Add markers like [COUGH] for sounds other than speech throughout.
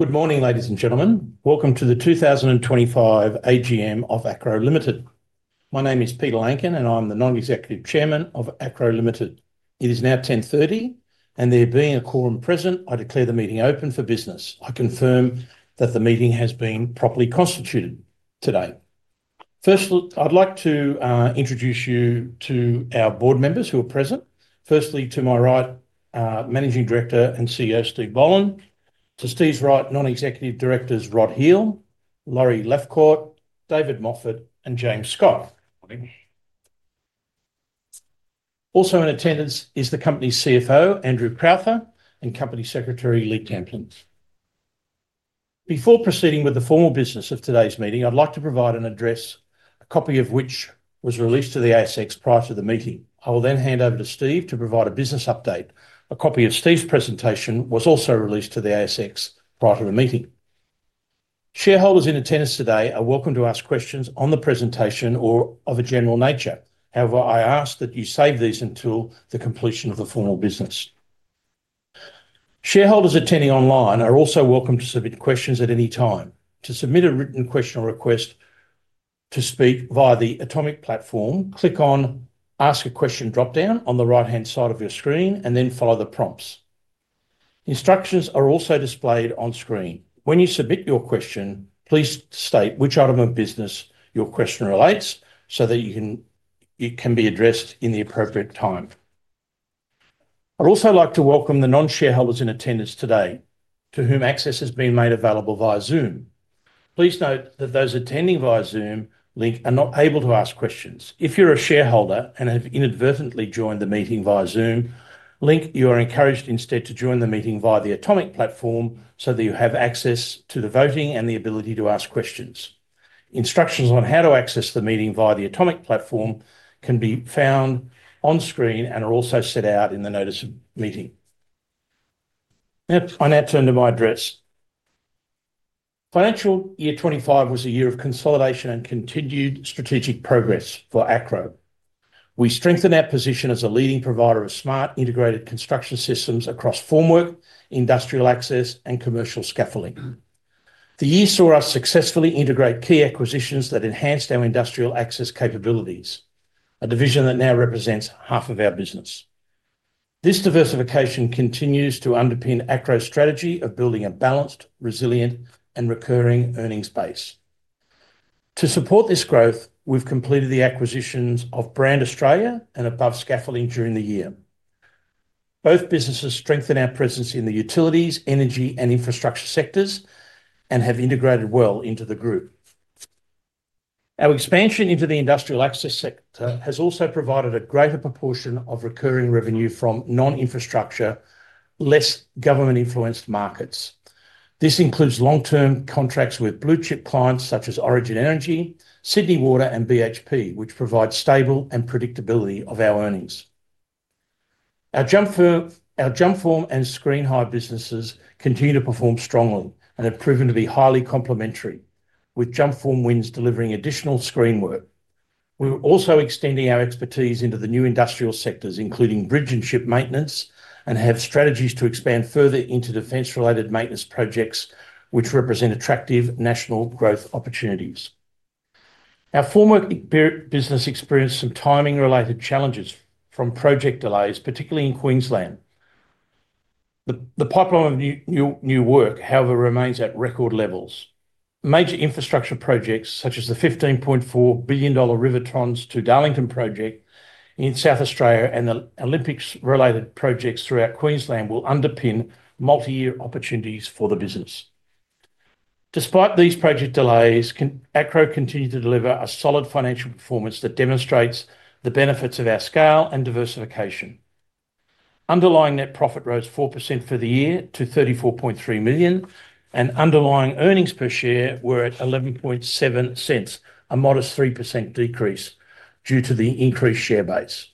Good morning, ladies and gentlemen. Welcome to the 2025 AGM of Acrow Limited. My name is Peter Lancken, and I'm the Non-Executive Chairman of Acrow Limited. It is now 10:30, and there being a quorum present, I declare the meeting open for business. I confirm that the meeting has been properly constituted today. First, I'd like to introduce you to our board members who are present. Firstly, to my right, Managing Jumpform and CEO Steve Boland. To Steve's right, Non-Executive Directors Rod Heale, Laurie Lefcourt, David Moffat, and James Scott. Good morning. Also in attendance is the company's CFO, Andrew Crowther, and Company Secretary, Lee Tamplin. Before proceeding with the formal business of today's meeting, I'd like to provide an address, a copy of which was released to the ASX prior to the meeting. I will then hand over to Steve to provide a business update. A copy of Steve's presentation was also released to the ASX prior to the meeting. Shareholders in attendance today are welcome to ask questions on the presentation or of a general nature. However, I ask that you save these until the completion of the formal business. Shareholders attending online are also welcome to submit questions at any time. To submit a written question or request to speak via the Automic platform, click on the Ask a Question dropdown on the right-hand side of your screen, and then follow the prompts. Instructions are also displayed on screen. When you submit your question, please state which item of business your question relates to so that it can be addressed at the appropriate time. I'd also like to welcome the non-shareholders in attendance today, to whom access has been made available via Zoom. Please note that those attending via Zoom link are not able to ask questions. If you're a shareholder and have inadvertently joined the meeting via Zoom link, you are encouraged instead to join the meeting via the Automic platform so that you have access to the voting and the ability to ask questions. Instructions on how to access the meeting via the Automic platform can be found on screen and are also set out in the notice of meeting. I now turn to my address. Financial Year 2025 was a year of consolidation and continued strategic progress for Acrow. We strengthened our position as a leading provider of smart integrated construction systems across formwork, industrial access, and commercial scaffolding. The year saw us successfully integrate key acquisitions that enhanced our industrial access capabilities, a division that now represents half of our business. This diversification continues to underpin Acrow's strategy of building a balanced, resilient, and recurring earnings base. To support this growth, we've completed the acquisitions of Brand Australia and Above Scaffolding during the year. Both businesses strengthened our presence in the utilities, energy, and infrastructure sectors and have integrated well into the group. Our expansion into the industrial access sector has also provided a greater proportion of recurring revenue from non-infrastructure, less government-influenced markets. This includes long-term contracts with blue-chip clients such as Origin Energy, Sydney Water, and BHP, which provide stable and predictability of our earnings. Our Jumpform and screen-height businesses continue to perform strongly and have proven to be highly complementary, with Jumpform wins delivering additional screen work. We're also extending our expertise into the new industrial sectors, including bridge and ship maintenance, and have strategies to expand further into defence-related maintenance projects, which represent attractive national growth opportunities. Our formwork business experienced some timing-related challenges from project delays, particularly in Queensland. The pipeline of new work, however, remains at record levels. Major infrastructure projects such as the 15.4 billion dollar Torrens to Darlington project in South Australia and the Olympics-related projects throughout Queensland will underpin multi-year opportunities for the business. Despite these project delays, Acrow continues to deliver a solid financial performance that demonstrates the benefits of our scale and diversification. Underlying net profit rose 4% for the year to 34.3 million, and underlying earnings per share were at 11.70, a modest 3% decrease due to the increased share base.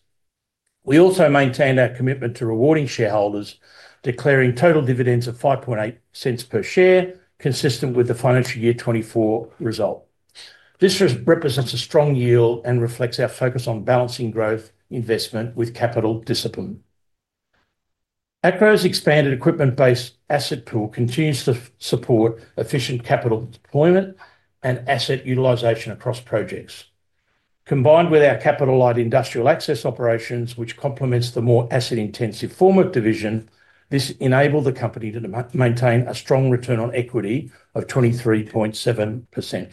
We also maintained our commitment to rewarding shareholders, declaring total dividends of 0.58 per share, consistent with the Financial Year 2024 Result. This represents a strong yield and reflects our focus on balancing growth investment with capital discipline. Acrow's expanded equipment-based asset pool continues to support efficient capital deployment and asset utilization across projects. Combined with our capital-light industrial access operations, which complements the more asset-intensive formwork division, this enabled the company to maintain a strong return on equity of 23.7%.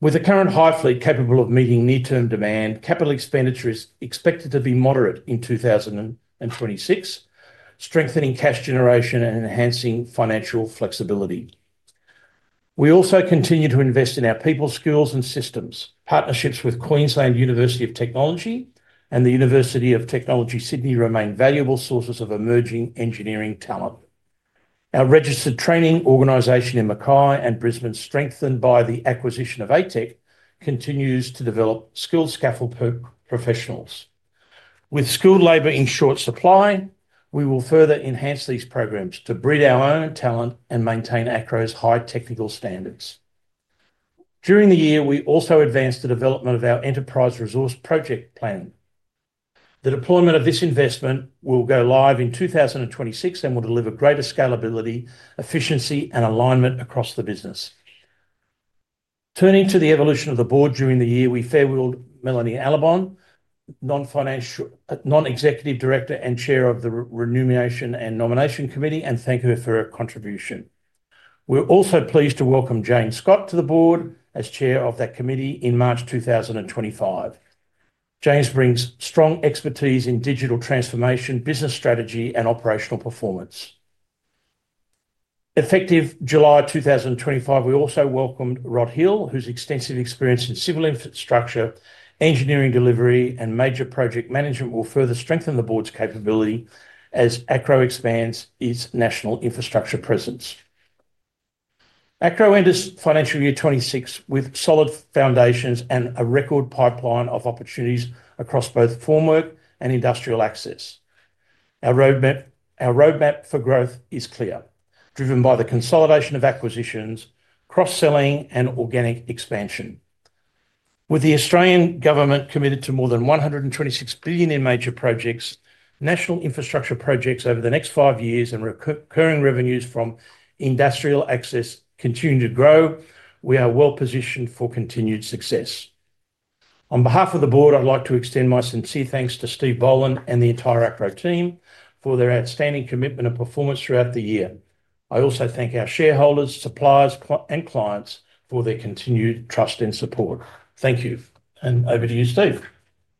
With the current high fleet capable of meeting near-term demand, capital expenditure is expected to be moderate in 2026, strengthening cash generation and enhancing financial flexibility. We also continue to invest in our people, skills, and systems. Partnerships with Queensland University of Technology and the University of Technology Sydney remain valuable sources of emerging engineering talent. Our registered training organization in Mackay and Brisbane, strengthened by the acquisition of ATEC, continues to develop skilled scaffold professionals. With skilled labor in short supply, we will further enhance these programs to breed our own talent and maintain Acrow's high technical standards. During the year, we also advanced the development of our enterprise resource planning project. The deployment of this investment will go live in 2026 and will deliver greater scalability, efficiency, and alignment across the business. Turning to the evolution of the board during the year, we farewell Melanie Alabon, Non-Executive Director and Chair of the Remuneration and Nomination Committee, and thank her for her contribution. We're also pleased to welcome James Scott to the board as Chair of that committee in March 2025. Jane brings strong expertise in digital transformation, business strategy, and operational performance. Effective July 2025, we also welcomed Rod Hill, whose extensive experience in civil infrastructure, engineering delivery, and major project management will further strengthen the board's capability as Acrow expands its national infrastructure presence. Acrow enters Financial Year 26 with solid foundations and a record pipeline of opportunities across both Formwork and industrial access. Our roadmap for growth is clear, driven by the consolidation of acquisitions, cross-selling, and organic expansion. With the Australian government committed to more than 126 billion in major projects, national infrastructure projects over the next five years, and recurring revenues from industrial access continuing to grow, we are well positioned for continued success. On behalf of the board, I'd like to extend my sincere thanks to Steve Boland and the entire Acrow team for their outstanding commitment and performance throughout the year. I also thank our shareholders, suppliers, and clients for their continued trust and support. Thank you. Over to you, Steve.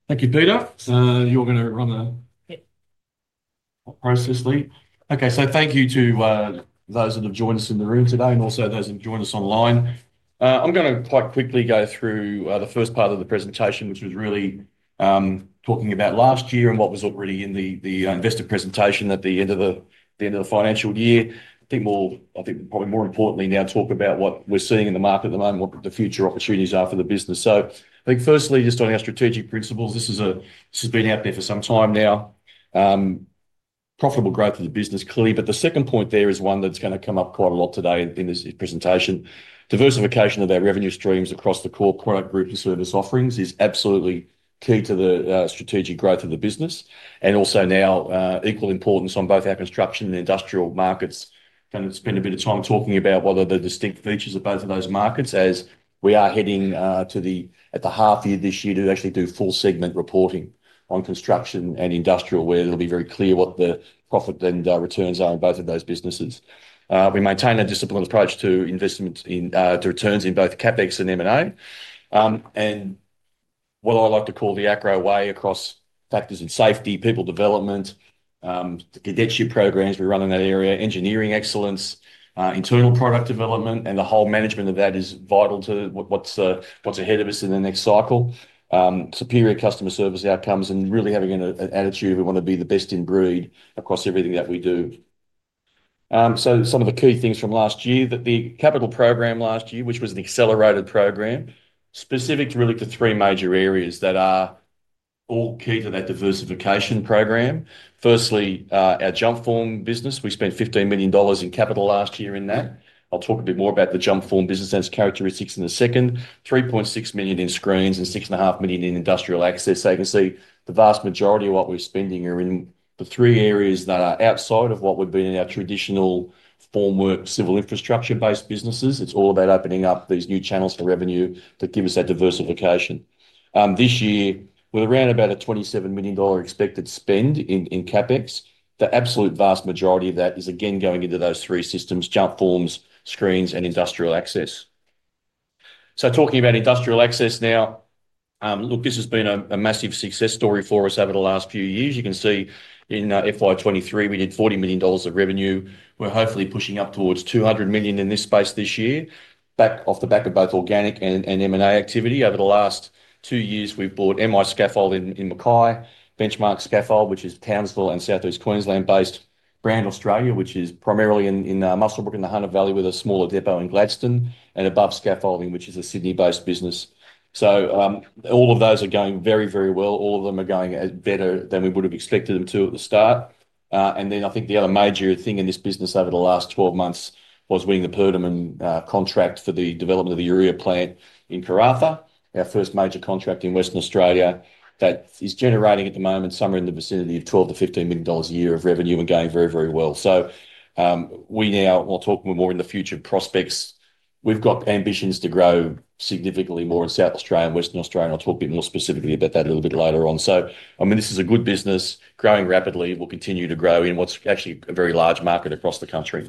Thank you, Peter. You're going to run the process, Steve. Okay, thank you to those that have joined us in the room today and also those who have joined us online. I'm going to quite quickly go through the first part of the presentation, which was really talking about last year and what was already in the investor presentation at the end of the financial year. I think we'll, I think probably more importantly now talk about what we're seeing in the market at the moment, what the future opportunities are for the business. I think firstly, just on our strategic principles, this has been out there for some time now. Profitable growth of the business, clearly. The second point there is one that's going to come up quite a lot today in this presentation. Diversification of our revenue streams across the core product group and service offerings is absolutely key to the strategic growth of the business. There is also now equal importance on both our construction and industrial markets. I'm going to spend a bit of time talking about what are the distinct features of both of those markets as we are heading to the half year this year to actually do full segment reporting on construction and industrial, where it will be very clear what the profit and returns are in both of those businesses. We maintain a disciplined approach to investment in returns in both CapEx and M&A. What I like to call the Acrow way across factors and safety, people development, the cadetship programs we run in that area, engineering excellence, internal product development, and the whole management of that is vital to what's ahead of us in the next cycle. Superior customer service outcomes and really having an attitude of we want to be the best in breed across everything that we do. Some of the key things from last year, the capital program last year, which was an accelerated program, specific really to three major areas that are all key to that diversification program. Firstly, our Jumpform business. We spent 15 million dollars in capital last year in that. I'll talk a bit more about the Jumpform business and its characteristics in a second. 3.6 million in screens and 6.5 million in industrial access. You can see the vast majority of what we're spending are in the three areas that are outside of what would be in our traditional formwork civil infrastructure-based businesses. It's all about opening up these new channels for revenue to give us that diversification. This year, with around about 27 million dollar expected spend in CapEx, the absolute vast majority of that is again going into those three systems: Jumpforms, screens, and industrial access. Talking about industrial access now, look, this has been a massive success story for us over the last few years. You can see in FY23, we did 40 million dollars of revenue. We're hopefully pushing up towards 200 million in this space this year, off the back of both organic and M&A activity. Over the last two years, we've bought MI Scaffold in Mackay, Benchmark Scaffold, which is Townsville and south-east Queensland-based, Brand Australia, which is primarily in Muswellbrook in the Hunter Valley with a smaller depot in Gladstone, and Above Scaffolding, which is a Sydney-based business. All of those are going very, very well. All of them are going better than we would have expected them to at the start. I think the other major thing in this business over the last 12 months was winning the Pertamina contract for the development of the Urea plant in Karratha, our first major contract in Western Australia that is generating at the moment somewhere in the vicinity of 12 million-15 million dollars a year of revenue and going very, very well. We now, I'll talk more in the future prospects. We've got ambitions to grow significantly more in South Australia, in Western Australia. I'll talk a bit more specifically about that a little bit later on. I mean, this is a good business. Growing rapidly, we'll continue to grow in what's actually a very large market across the country.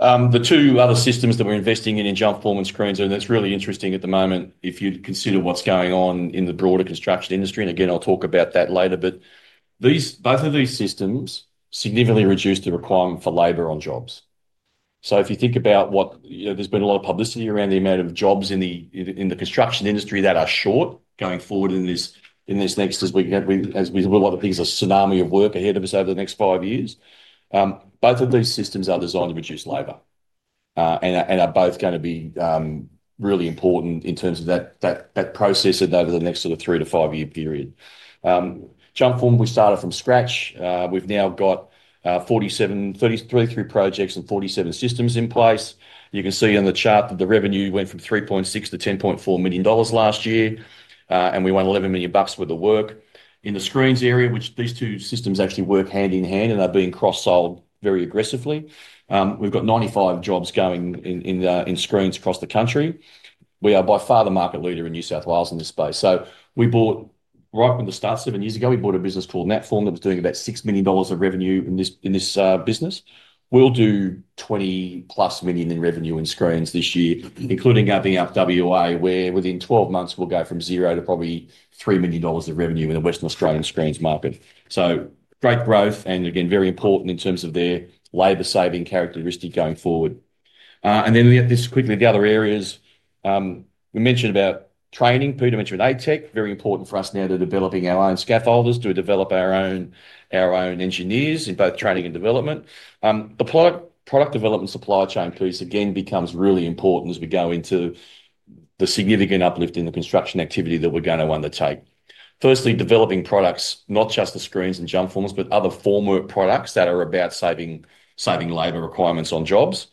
The two other systems that we're investing in, in Jumpform and screens, and that's really interesting at the moment if you consider what's going on in the broader construction industry. Again, I'll talk about that later, but both of these systems significantly reduce the requirement for labor on jobs. If you think about what there's been a lot of publicity around, the amount of jobs in the construction industry that are short going forward in this next, as we have a lot of things, a tsunami of work ahead of us over the next five years. Both of these systems are designed to reduce labor and are both going to be really important in terms of that process over the next sort of three- to five-year period. Jumpform, we started from scratch. We've now got 33 projects and 47 systems in place. You can see on the chart that the revenue went from 3.6 million to 10.4 million dollars last year, and we won 11 million bucks with the work. In the screens area, which these two systems actually work hand in hand and are being cross-sold very aggressively. We've got 95 jobs going in screens across the country. We are by far the market leader in New South Wales in this space. We bought right from the start seven years ago, we bought a business called Natform that was doing about 6 million dollars of revenue in this business. We'll do 20-plus million in revenue in screens this year, including being up in WA, where within 12 months we'll go from zero to probably 3 million dollars of revenue in the Western Australian screens market. Great growth and again, very important in terms of their labor-saving characteristic going forward. We get this quickly to the other areas. We mentioned about training. Peter mentioned ATEC. Very important for us now to developing our own scaffolders, to develop our own engineers in both training and development. The product development supply chain piece again becomes really important as we go into the significant uplift in the construction activity that we are going to undertake. Firstly, developing products, not just the screens and Jumpforms, but other formwork products that are about saving labor requirements on jobs.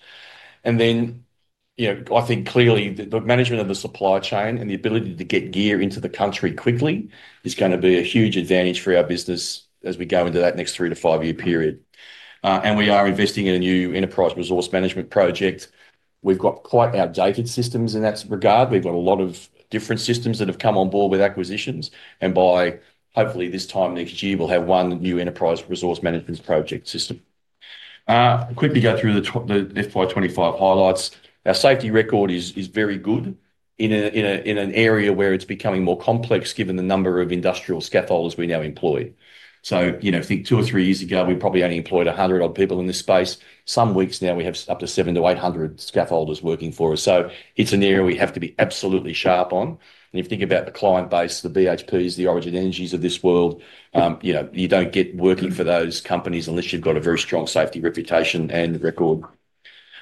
I think clearly the management of the supply chain and the ability to get gear into the country quickly is going to be a huge advantage for our business as we go into that next three to five-year period. We are investing in a new enterprise resource management project. We have quite outdated systems in that regard. We've got a lot of different systems that have come on board with acquisitions. By hopefully this time next year, we'll have one new enterprise resource management project system. Quickly go through the FY25 highlights. Our safety record is very good in an area where it's becoming more complex given the number of industrial scaffolders we now employ. I think two or three years ago, we probably only employed 100 odd people in this space. Some weeks now, we have up to 700-800 scaffolders working for us. It's an area we have to be absolutely sharp on. If you think about the client base, the BHPs, the Origin Energies of this world, you don't get working for those companies unless you've got a very strong safety reputation and record.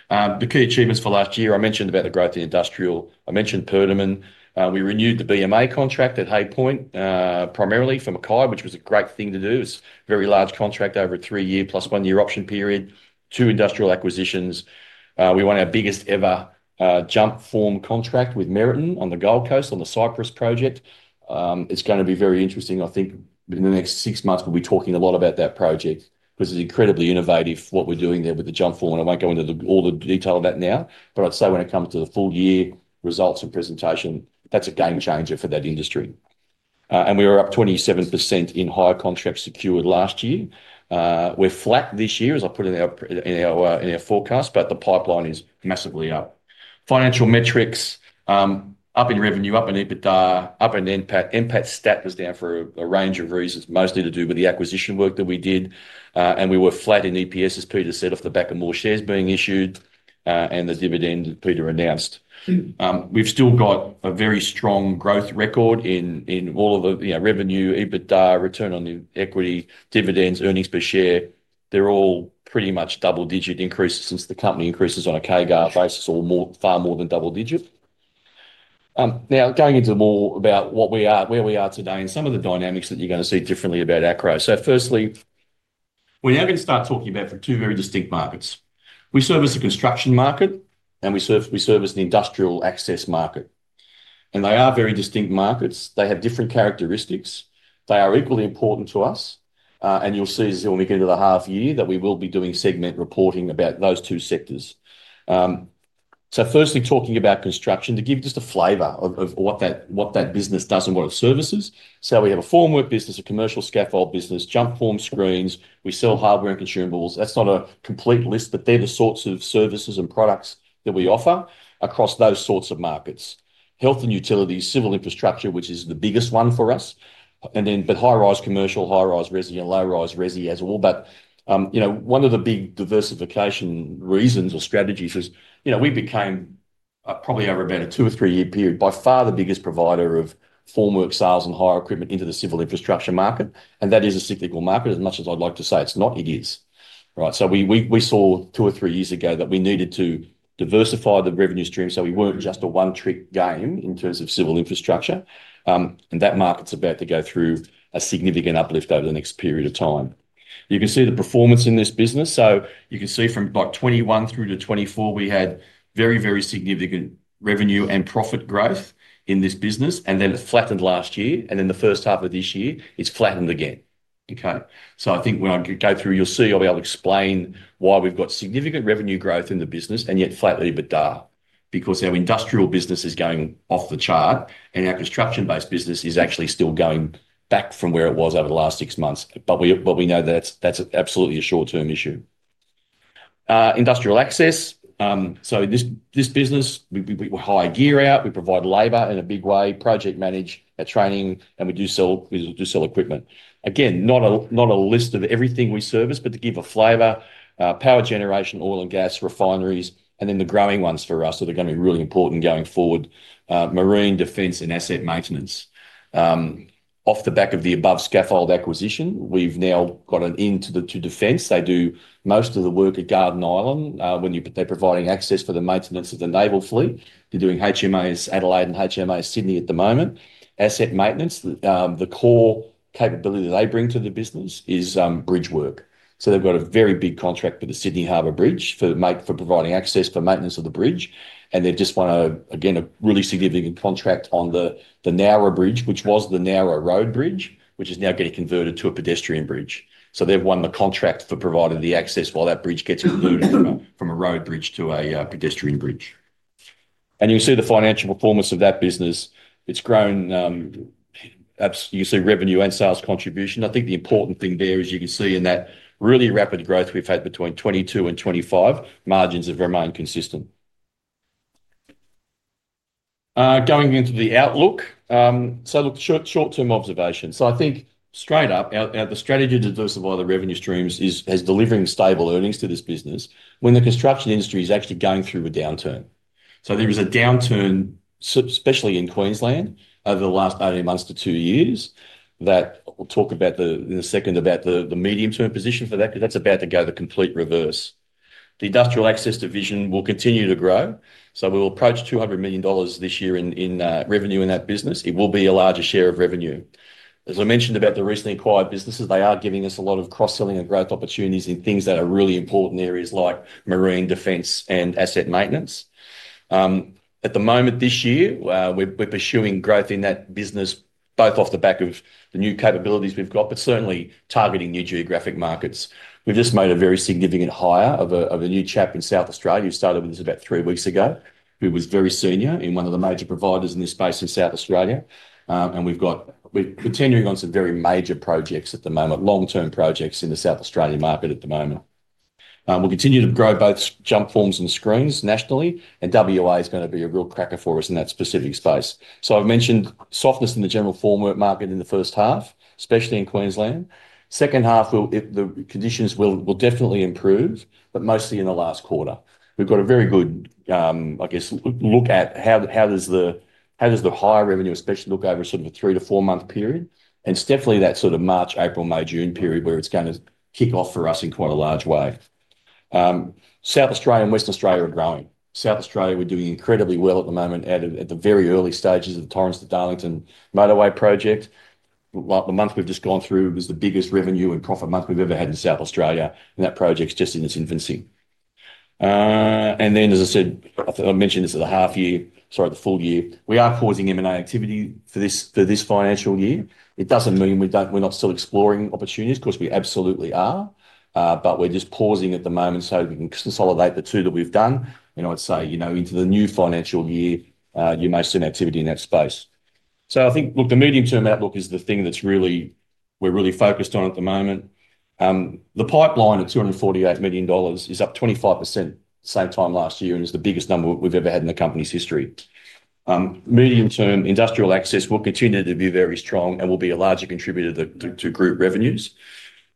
The key achievements for last year, I mentioned about the growth in industrial. I mentioned Pertamina. We renewed the BMA contract at Hay Point, primarily for Mackay, which was a great thing to do. It is a very large contract over a three-year plus one-year option period, two industrial acquisitions. We won our biggest ever Jumpform contract with Meriton on the Gold Coast on the Cypress project. It is going to be very interesting. I think in the next six months, we will be talking a lot about that project because it is incredibly innovative what we are doing there with the Jumpform. I will not go into all the detail of that now, but I would say when it comes to the full-year results and presentation, that is a game changer for that industry. We were up 27% in hire contracts secured last year. We are flat this year, as I put in our forecast, but the pipeline is massively up. Financial metrics, up in revenue, up in EBITDA, up in NPAT. NPAT stat was down for a range of reasons, mostly to do with the acquisition work that we did. We were flat in EPS, as Peter said, off the back of more shares being issued and the dividend Peter announced. We've still got a very strong growth record in all of the revenue, EBITDA, return on equity, dividends, earnings per share. They're all pretty much double-digit increases since the company increases on a KGAR basis, or far more than double-digit. Now, going into more about where we are today and some of the dynamics that you're going to see differently about Acrow, firstly, we're now going to start talking about two very distinct markets. We service the construction market, and we service the industrial access market. They are very distinct markets. They have different characteristics. They are equally important to us. You will see as we get into the half year that we will be doing segment reporting about those two sectors. Firstly, talking about construction, to give you just a flavor of what that business does and what it services. We have a formwork business, a commercial scaffold business, Jumpform screens. We sell hardware and consumables. That is not a complete list, but they are the sorts of services and products that we offer across those sorts of markets: health and utilities, civil infrastructure, which is the biggest one for us, and then high-rise commercial, high-rise resident, low-rise resident as well. One of the big diversification reasons or strategies is we became, probably over about a two or three-year period, by far the biggest provider of formwork sales and hire equipment into the civil infrastructure market. That is a cyclical market, as much as I'd like to say it's not, it is. Right? We saw two or three years ago that we needed to diversify the revenue stream so we weren't just a one-trick game in terms of civil infrastructure. That market is about to go through a significant uplift over the next period of time. You can see the performance in this business. You can see from 2021 through to 2024, we had very, very significant revenue and profit growth in this business. It flattened last year. The first half of this year, it's flattened again. Okay? I think when I go through, you'll see I'll be able to explain why we've got significant revenue growth in the business and yet flat EBITDA because our industrial business is going off the chart and our construction-based business is actually still going back from where it was over the last six months. We know that that's absolutely a short-term issue. Industrial access. This business, we hire gear out. We provide labor in a big way, project manage our training, and we do sell equipment. Again, not a list of everything we service, but to give a flavor, power generation, oil and gas, refineries, and then the growing ones for us that are going to be really important going forward, marine defense and asset maintenance. Off the back of the Above Scaffolding acquisition, we've now got an end to defense. They do most of the work at Garden Island when they're providing access for the maintenance of the naval fleet. They're doing HMAS Adelaide and HMAS Sydney at the moment. Asset maintenance, the core capability that they bring to the business is bridge work. They have a very big contract with the Sydney Harbour Bridge for providing access for maintenance of the bridge. They just won, again, a really significant contract on the Narrow Bridge, which was the Narrow Road Bridge, which is now getting converted to a pedestrian bridge. They have won the contract for providing the access while that bridge gets moved from a road bridge to a pedestrian bridge. You can see the financial performance of that business. It's grown. You can see revenue and sales contribution. I think the important thing there is you can see in that really rapid growth we have had between 2022 and 2025, margins have remained consistent. Going into the outlook, short-term observation. I think straight up, the strategy to diversify the revenue streams is delivering stable earnings to this business when the construction industry is actually going through a downturn. There was a downturn, especially in Queensland, over the last 18 months to two years that we will talk about in a second about the medium-term position for that because that is about to go the complete reverse. The Industrial Access division will continue to grow. We will approach 200 million dollars this year in revenue in that business. It will be a larger share of revenue. As I mentioned about the recently acquired businesses, they are giving us a lot of cross-selling and growth opportunities in things that are really important areas like marine defense and asset maintenance. At the moment this year, we're pursuing growth in that business both off the back of the new capabilities we've got, but certainly targeting new geographic markets. We've just made a very significant hire of a new chap in South Australia. We started with this about three weeks ago. He was very senior in one of the major providers in this space in South Australia. We're tendering on some very major projects at the moment, long-term projects in the South Australian market at the moment. We'll continue to grow both Jumpforms and screens nationally. WA is going to be a real cracker for us in that specific space. I've mentioned softness in the general formwork market in the first half, especially in Queensland. The second half, the conditions will definitely improve, but mostly in the last quarter. We've got a very good, I guess, look at how does the high revenue, especially look over sort of a three to four-month period. It's definitely that sort of March, April, May, June period where it's going to kick off for us in quite a large way. South Australia and Western Australia are growing. South Australia, we're doing incredibly well at the moment at the very early stages of the Torrens to Darlington motorway project. The month we've just gone through was the biggest revenue and profit month we've ever had in South Australia, and that project's just in its infancy. As I said, I mentioned this at the half year, sorry, the full year. We are pausing M&A activity for this financial year. It doesn't mean we're not still exploring opportunities because we absolutely are, but we're just pausing at the moment so we can consolidate the two that we've done. I'd say into the new financial year, you may see an activity in that space. I think, look, the medium-term outlook is the thing that we're really focused on at the moment. The pipeline at AUD 248 million is up 25% same time last year and is the biggest number we've ever had in the company's history. Medium-term industrial access will continue to be very strong and will be a larger contributor to group revenues.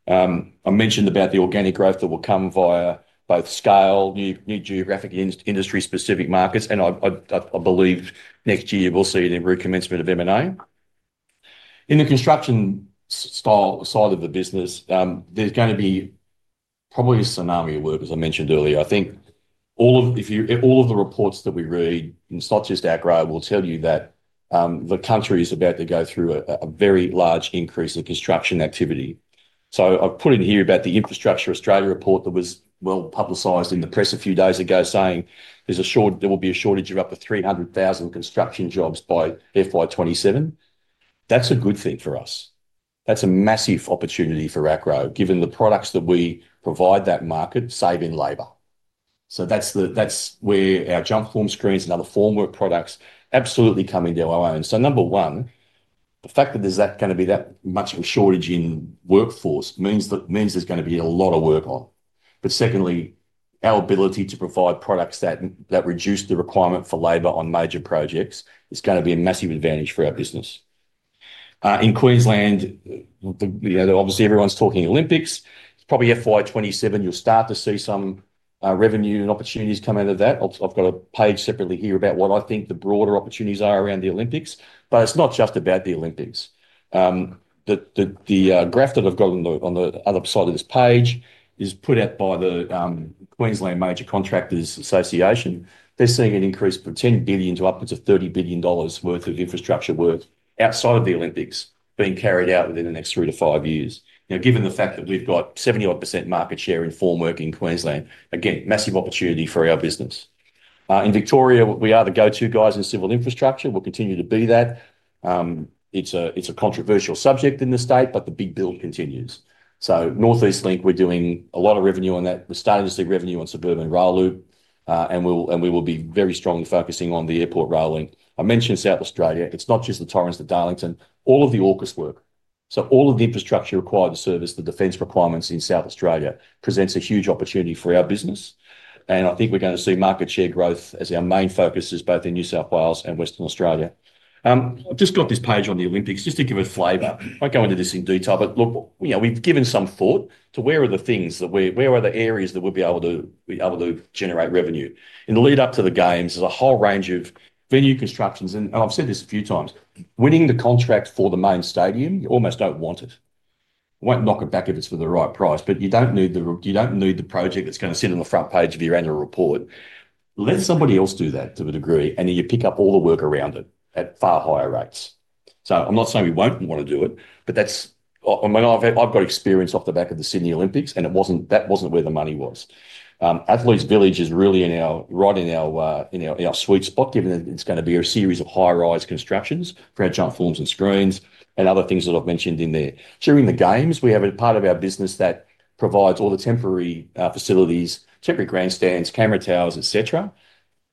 I mentioned about the organic growth that will come via both scale, new geographic industry-specific markets, and I believe next year we'll see the recommencement of M&A. In the construction side of the business, there's going to be probably a tsunami of work, as I mentioned earlier. I think all of the reports that we read, and such as Acrow, will tell you that the country is about to go through a very large increase in construction activity. I have put in here about the Infrastructure Australia report that was well publicized in the press a few days ago saying there will be a shortage of up to 300,000 construction jobs by FY2027. That's a good thing for us. That's a massive opportunity for Acrow given the products that we provide that market, saving labor. That's where our Jumpform screens and other formwork products absolutely come into our own. Number one, the fact that there's going to be that much of a shortage in workforce means there's going to be a lot of work on. Secondly, our ability to provide products that reduce the requirement for labor on major projects is going to be a massive advantage for our business. In Queensland, obviously, everyone's talking Olympics. It is probably FY2027. You will start to see some revenue and opportunities come out of that. I have got a page separately here about what I think the broader opportunities are around the Olympics. It is not just about the Olympics. The graph that I have got on the other side of this page is put out by the Queensland Major Contractors Association. They are seeing an increase from 10 billion to upwards of 30 billion dollars worth of infrastructure work outside of the Olympics being carried out within the next three to five years. Now, given the fact that we have got 71% market share in formwork in Queensland, again, massive opportunity for our business. In Victoria, we are the go-to guys in civil infrastructure. We'll continue to be that. It's a controversial subject in the state, but the big build continues. Northeast Link, we're doing a lot of revenue on that. We're starting to see revenue on Suburban Rail Loop, and we will be very strongly focusing on the airport rail link. I mentioned South Australia. It's not just the Torrens to Darlington. All of the Orcas work. All of the infrastructure required to service the defense requirements in South Australia presents a huge opportunity for our business. I think we're going to see market share growth as our main focus is both in New South Wales and Western Australia. I've just got this page on the Olympics just to give it flavor. I'll go into this in detail. Look, we've given some thought to where are the things that we're, where are the areas that we'll be able to generate revenue. In the lead-up to the games, there's a whole range of venue constructions. I've said this a few times. Winning the contract for the main stadium, you almost don't want it. You won't knock it back if it's for the right price, but you don't need the project that's going to sit on the front page of your annual report. Let somebody else do that to a degree, and then you pick up all the work around it at far higher rates. I'm not saying we won't want to do it, but I've got experience off the back of the Sydney Olympics, and that wasn't where the money was. Athletes' Village is really right in our sweet spot given that it's going to be a series of high-rise constructions for our Jumpforms and screens and other things that I've mentioned in there. During the games, we have a part of our business that provides all the temporary facilities, temporary grandstands, camera towers, etc.,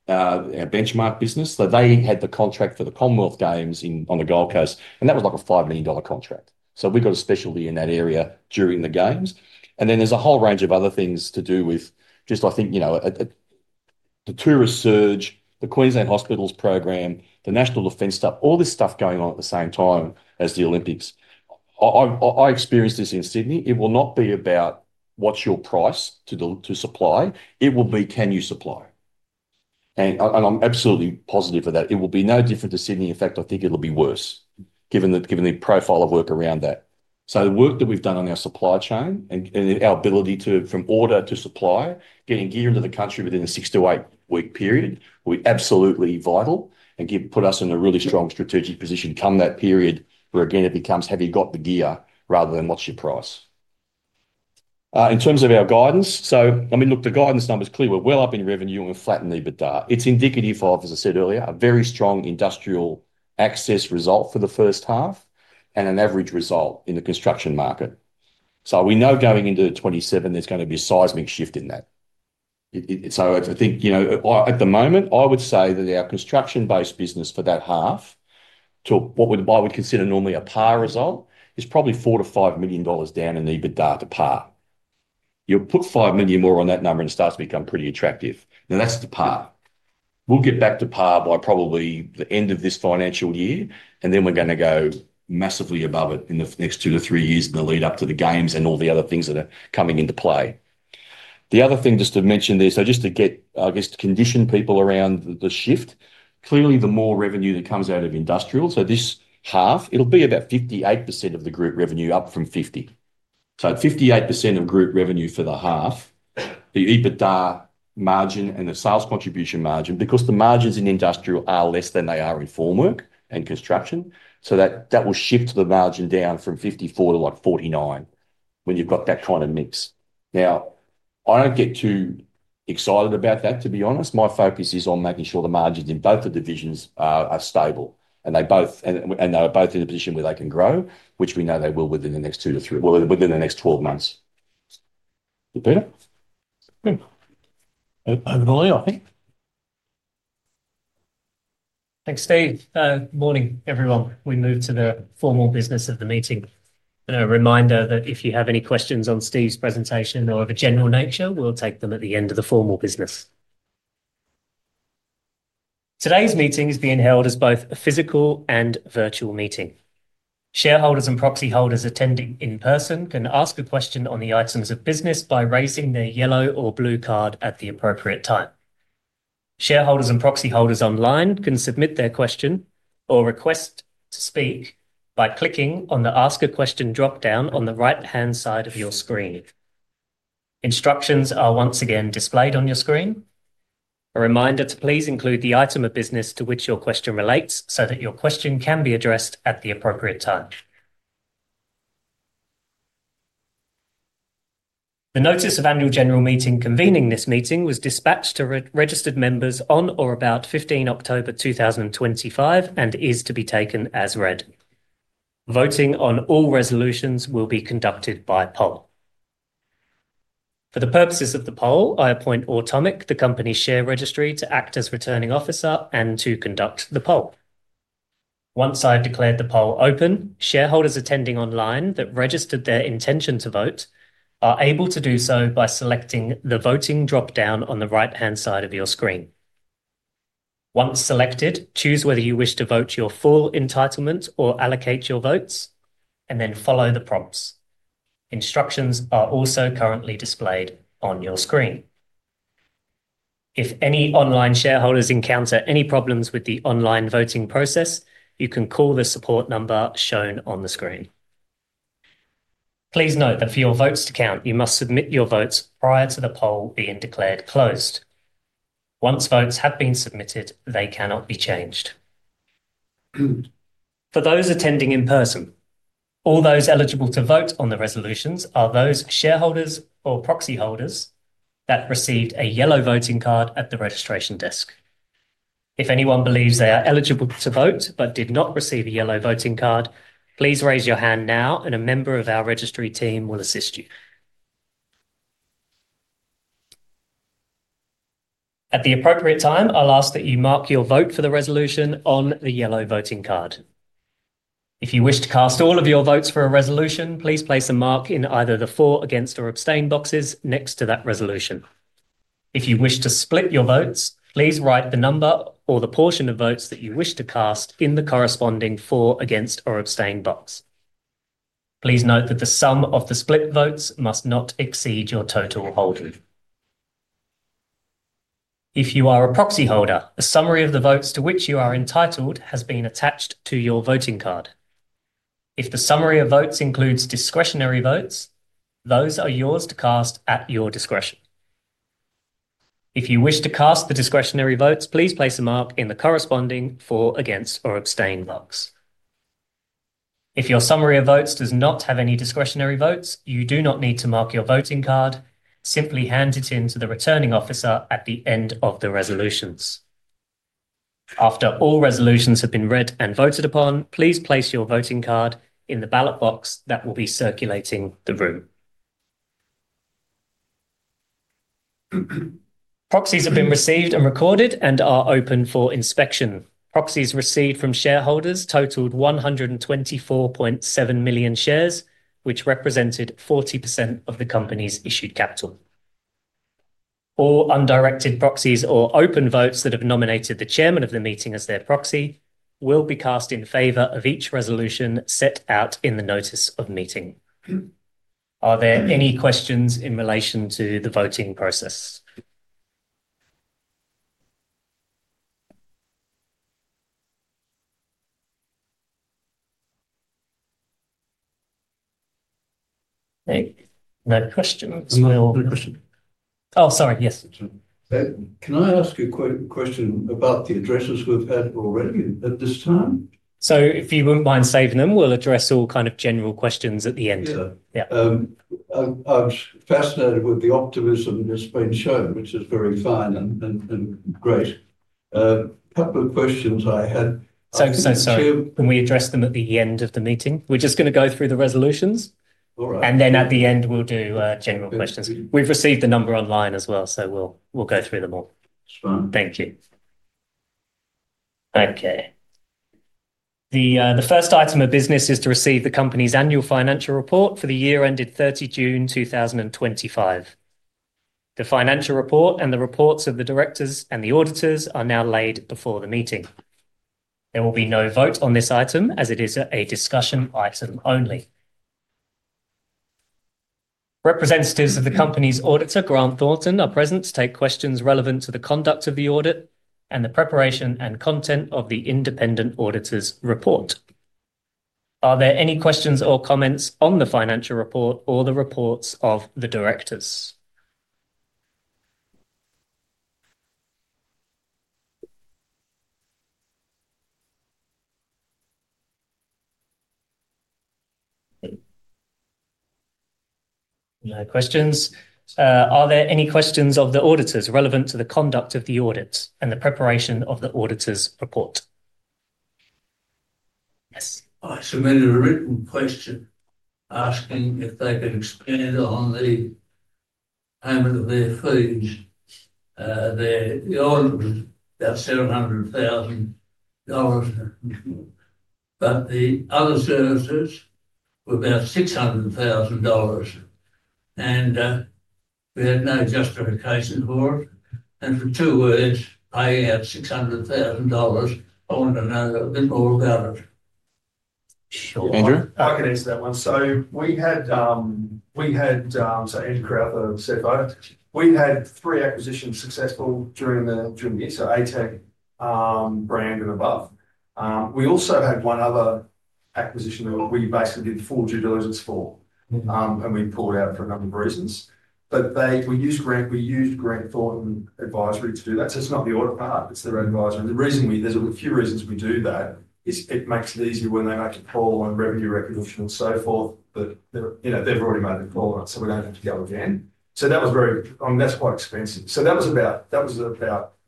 our Benchmark business. They had the contract for the Commonwealth Games on the Gold Coast, and that was like an 5 million dollar contract. We've got a specialty in that area during the games. There is a whole range of other things to do with just, I think, the tourist surge, the Queensland Hospitals program, the national defense stuff, all this stuff going on at the same time as the Olympics. I experienced this in Sydney. It will not be about what's your price to supply. It will be, can you supply? I'm absolutely positive for that. It will be no different to Sydney. In fact, I think it'll be worse given the profile of work around that. The work that we've done on our supply chain and our ability from order to supply, getting gear into the country within a six- to eight-week period, will be absolutely vital and put us in a really strong strategic position come that period where, again, it becomes, have you got the gear rather than what's your price. In terms of our guidance, I mean, look, the guidance number is clear. We're well up in revenue and we're flat in EBITDA. It's indicative of, as I said earlier, a very strong industrial access result for the first half and an average result in the construction market. We know going into 2027, there's going to be a seismic shift in that. I think at the moment, I would say that our construction-based business for that half to what I would consider normally a par result is probably 4 million-5 million dollars down in EBITDA to par. You put 5 million more on that number and it starts to become pretty attractive. Now, that's the par. We'll get back to par by probably the end of this financial year, and then we're going to go massively above it in the next two to three years in the lead-up to the games and all the other things that are coming into play. The other thing just to mention there, just to get, I guess, to condition people around the shift, clearly the more revenue that comes out of industrial, this half, it'll be about 58% of the group revenue, up from 50%. Fifty-eight percent of group revenue for the half, the EBITDA margin and the sales contribution margin, because the margins in industrial are less than they are in formwork and construction, so that will shift the margin down from 54% to like 49% when you have that kind of mix. Now, I do not get too excited about that, to be honest. My focus is on making sure the margins in both the divisions are stable, and they are both in a position where they can grow, which we know they will within the next two to three, well, within the next 12 months. Peter? Over to Leo, I think. Thanks, Steve. Good morning, everyone. We move to the formal business of the meeting. A reminder that if you have any questions on Steve's presentation or of a general nature, we will take them at the end of the formal business. Today's meeting is being held as both a physical and virtual meeting. Shareholders and proxy holders attending in person can ask a question on the items of business by raising their yellow or blue card at the appropriate time. Shareholders and proxy holders online can submit their question or request to speak by clicking on the Ask a Question dropdown on the right-hand side of your screen. Instructions are once again displayed on your screen. A reminder to please include the item of business to which your question relates so that your question can be addressed at the appropriate time. The notice of annual general meeting convening this meeting was dispatched to registered members on or about 15th October 2025 and is to be taken as read. Voting on all resolutions will be conducted by poll. For the purposes of the poll, I appoint Automic, the company's share registry, to act as Returning Officer and to conduct the poll. Once I've declared the poll open, shareholders attending online that registered their intention to vote are able to do so by selecting the voting dropdown on the right-hand side of your screen. Once selected, choose whether you wish to vote your full entitlement or allocate your votes, and then follow the prompts. Instructions are also currently displayed on your screen. If any online shareholders encounter any problems with the online voting process, you can call the support number shown on the screen. Please note that for your votes to count, you must submit your votes prior to the poll being declared closed. Once votes have been submitted, they cannot be changed. For those attending in person, all those eligible to vote on the resolutions are those shareholders or proxy holders that received a yellow voting card at the registration desk. If anyone believes they are eligible to vote but did not receive a yellow voting card, please raise your hand now, and a member of our registry team will assist you. At the appropriate time, I'll ask that you mark your vote for the resolution on the yellow voting card. If you wish to cast all of your votes for a resolution, please place a mark in either the for, against, or abstain boxes next to that resolution. If you wish to split your votes, please write the number or the portion of votes that you wish to cast in the corresponding for, against, or abstain box. Please note that the sum of the split votes must not exceed your total holding. If you are a proxy holder, a summary of the votes to which you are entitled has been attached to your voting card. If the summary of votes includes discretionary votes, those are yours to cast at your discretion. If you wish to cast the discretionary votes, please place a mark in the corresponding for, against, or abstain box. If your summary of votes does not have any discretionary votes, you do not need to mark your voting card. Simply hand it in to the Returning Officer at the end of the resolutions. After all resolutions have been read and voted upon, please place your voting card in the ballot box that will be circulating the room. Proxies have been received and recorded and are open for inspection. Proxies received from shareholders totaled 124.7 million shares, which represented 40% of the company's issued capital. All undirected proxies or open votes that have nominated the Chairman of the meeting as their proxy will be cast in favor of each resolution set out in the notice of meeting. Are there any questions in relation to the voting process? No questions. Oh, sorry. Yes. Can I ask a question about the addresses we've had already at this time? If you wouldn't mind saving them, we'll address all kind of general questions at the end. I'm fascinated with the optimism that's been shown, which is very fine and great. A couple of questions I had. Sorry. Can we address them at the end of the meeting? We're just going to go through the resolutions. All right. Then at the end, we'll do general questions. We've received the number online as well, so we'll go through them all. That's fine. Thank you. Okay. The first item of business is to receive the company's annual financial report for the year ended 30th June 2025. The financial report and the reports of the directors and the auditors are now laid before the meeting. There will be no vote on this item as it is a discussion item only. Representatives of the company's auditor, Grant Thornton, are present to take questions relevant to the conduct of the audit and the preparation and content of the independent auditor's report. Are there any questions or comments on the financial report or the reports of the directors? No questions. Are there any questions of the auditors relevant to the conduct of the audit and the preparation of the auditor's report? Yes. I submitted a written question asking if they could expand on the payment of their fees. The audit was about 700,000 dollars, but the other services were about 600,000 dollars, and we had no justification for it. For two words, paying out AUD 600,000, I want to know a bit more about it. Andrew? I can answer that one. We had, so Andrew Crowther, CFO, we had three acquisitions successful during the year, so ATEC, Brand, and Above. We also had one other acquisition that we basically did full due diligence for, and we pulled out for a number of reasons. We used Grant Thornton advisory to do that. It is not the audit part, it is their advisory. The reason we, there's a few reasons we do that is it makes it easier when they make a call on revenue recognition and so forth that they've already made the call on it, so we don't have to go again. That was very, I mean, that's quite expensive. That was about, that was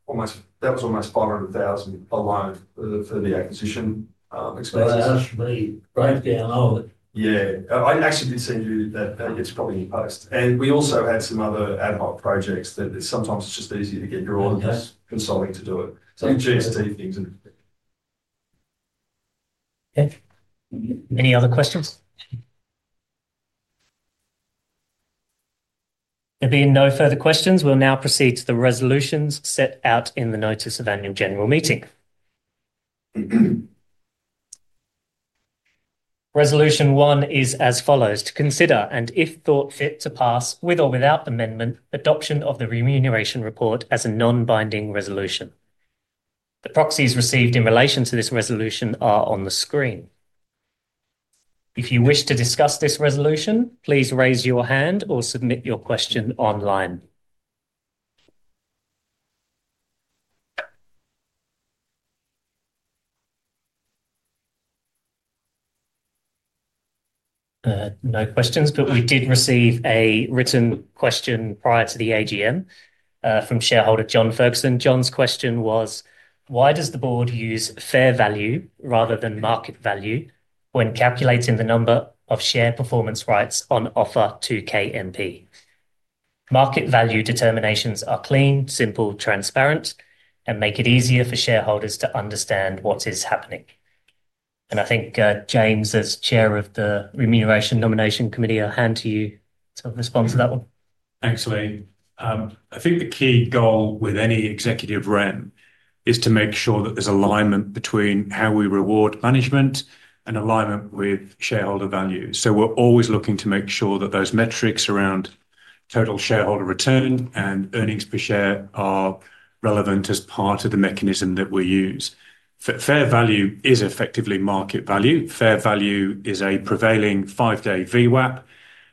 almost, that was almost 500,000 alone for the acquisition expenses. That actually breaks down all of it. Yeah. I actually did see you do that. It's probably in post. We also had some other ad hoc projects that sometimes it's just easier to get your auditors consulting to do it. Some GST things and everything. Okay. Any other questions? There being no further questions, we'll now proceed to the resolutions set out in the notice of annual general meeting. Resolution one is as follows. To consider and if thought fit to pass with or without amendment, adoption of the remuneration report as a non-binding resolution. The proxies received in relation to this resolution are on the screen. If you wish to discuss this resolution, please raise your hand or submit your question online. No questions, but we did receive a written question prior to the AGM from shareholder John Ferguson. John's question was, why does the board use fair value rather than market value when calculating the number of share performance rights on offer to KMP? Market value determinations are clean, simple, transparent, and make it easier for shareholders to understand what is happening. I think James, as chair of the Remuneration and Nomination Committee, I'll hand to you to respond to that one. Thanks, Lee. I think the key goal with any executive REM is to make sure that there's alignment between how we reward management and alignment with shareholder value. We are always looking to make sure that those metrics around total shareholder return and earnings per share are relevant as part of the mechanism that we use. Fair value is effectively market value. Fair value is a prevailing five-day VWAP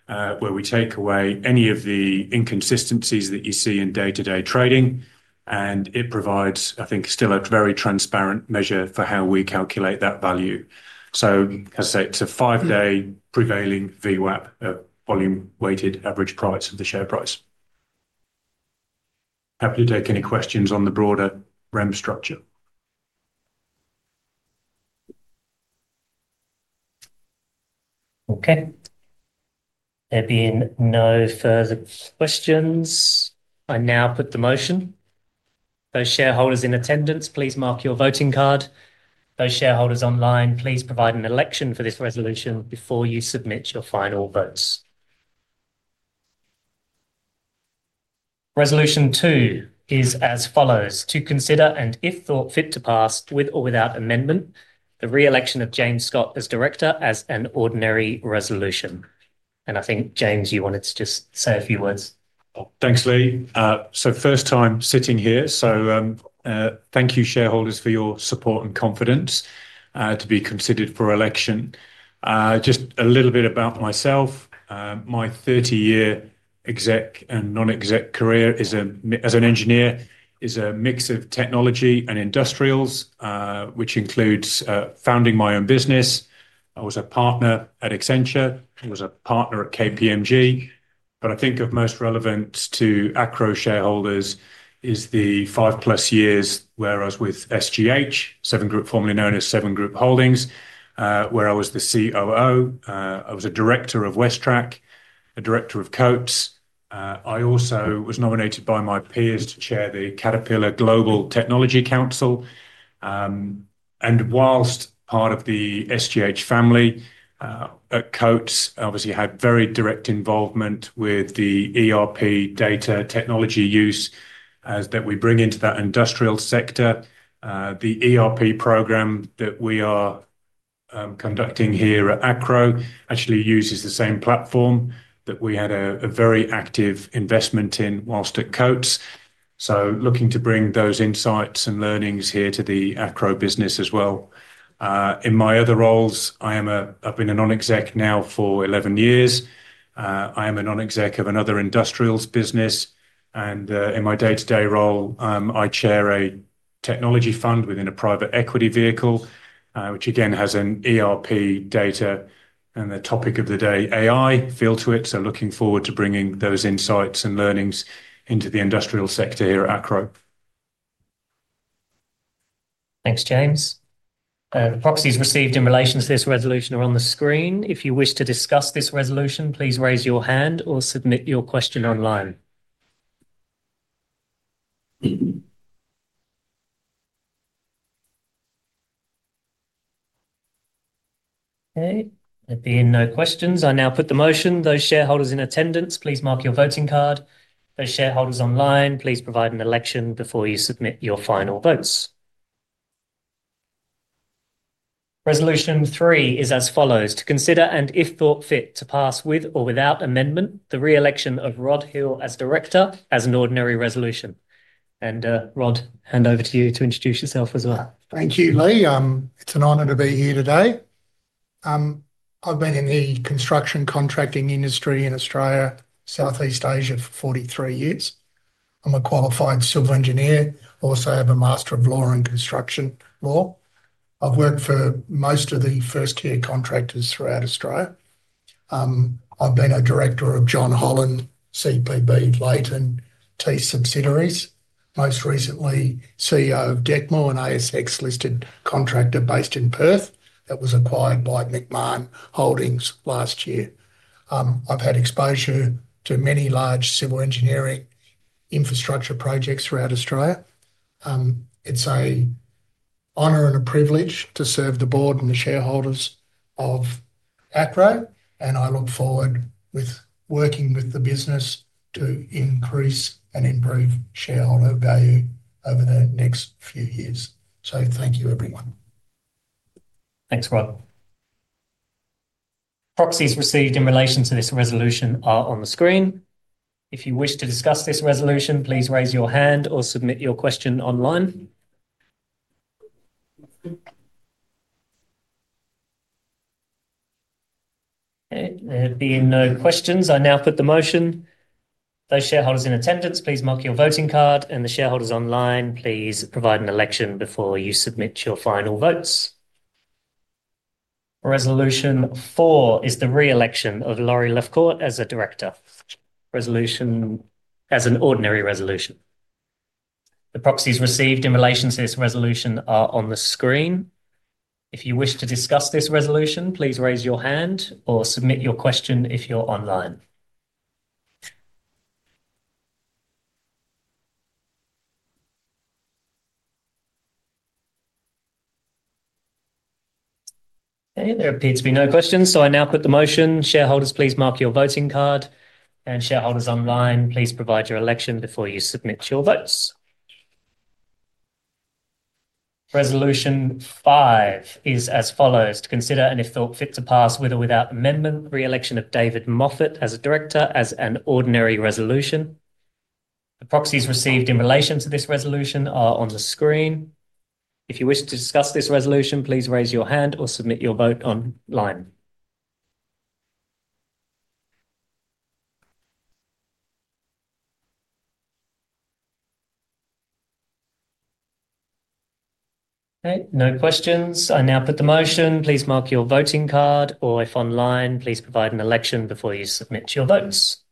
where we take away any of the inconsistencies that you see in day-to-day trading, and it provides, I think, still a very transparent measure for how we calculate that value. As I say, it is a five-day prevailing VWAP of volume-weighted average price of the share price. Happy to take any questions on the broader REM structure. Okay. There being no further questions, I now put the motion. Those shareholders in attendance, please mark your voting card. Those shareholders online, please provide an election for this resolution before you submit your final votes. Resolution two is as follows. To consider and if thought fit to pass with or without amendment, the re-election of James Scott as director as an ordinary resolution. I think, James, you wanted to just say a few words. Thanks, Lee. First time sitting here. Thank you, shareholders, for your support and confidence to be considered for election. Just a little bit about myself. My 30-year exec and non-exec career as an engineer is a mix of technology and industrials, which includes founding my own business. I was a partner at Accenture. I was a partner at KPMG. I think of most relevant to Acrow shareholders is the five-plus years where I was with SGH, Seven Group, formerly known as Seven Group Holdings, where I was the COO. I was a Director of WesTrac, a Director of Coates. I also was nominated by my peers to chair the Caterpillar Global Technology Council. Whilst part of the SGH family at Coates, obviously had very direct involvement with the ERP data technology use that we bring into that industrial sector. The ERP program that we are conducting here at Acrow actually uses the same platform that we had a very active investment in whilst at Coates. Looking to bring those insights and learnings here to the Acrow business as well. In my other roles, I've been a non-exec now for 11 years. I am a non-exec of another industrials business. In my day-to-day role, I chair a technology fund within a private equity vehicle, which again has an ERP data and the topic of the day, AI, feel to it. Looking forward to bringing those insights and learnings into the industrial sector here at Acrow. Thanks, James. The proxies received in relation to this resolution are on the screen. If you wish to discuss this resolution, please raise your hand or submit your question online. Okay. There being no questions, I now put the motion. Those shareholders in attendance, please mark your voting card. Those shareholders online, please provide an election before you submit your final votes. Resolution three is as follows. To consider and if thought fit to pass with or without amendment, the re-election of Rod Hill as Director as an ordinary resolution. Rod, hand over to you to introduce yourself as well. Thank you, Lee. It's an honor to be here today. I've been in the construction contracting industry in Australia, Southeast Asia for 43 years. I'm a qualified civil engineer. I also have a Master of Law in Construction Law. I've worked for most of the first-tier contractors throughout Australia. I've been a Director of John Holland, CPB, Leighton, AT&T/Subsidiaries. Most recently, CEO of Decmil, an ASX-listed contractor based in Perth that was acquired by Macmahon Holdings last year. I've had exposure to many large civil engineering infrastructure projects throughout Australia. It's an honor and a privilege to serve the board and the shareholders of Acrow. I look forward to working with the business to increase and improve shareholder value over the next few years. Thank you, everyone. Thanks, Rod. Proxies received in relation to this resolution are on the screen. If you wish to discuss this resolution, please raise your hand or submit your question online. Okay. There being no questions, I now put the motion. Those shareholders in attendance, please mark your voting card. The shareholders online, please provide an election before you submit your final votes. Resolution four is the re-election of Laurie Lefcourt as a Director. Resolution as an ordinary resolution. The proxies received in relation to this resolution are on the screen. If you wish to discuss this resolution, please raise your hand or submit your question if you're online. Okay. There appear to be no questions, so I now put the motion. Shareholders, please mark your voting card. Shareholders online, please provide your election before you submit your votes. Resolution five is as follows. To consider and if thought fit to pass with or without amendment, re-election of David Moffat as a Director as an ordinary resolution. The proxies received in relation to this resolution are on the screen. If you wish to discuss this resolution, please raise your hand or submit your vote online. Okay. No questions. I now put the motion. Please mark your voting card. Or if online, please provide an election before you submit your votes.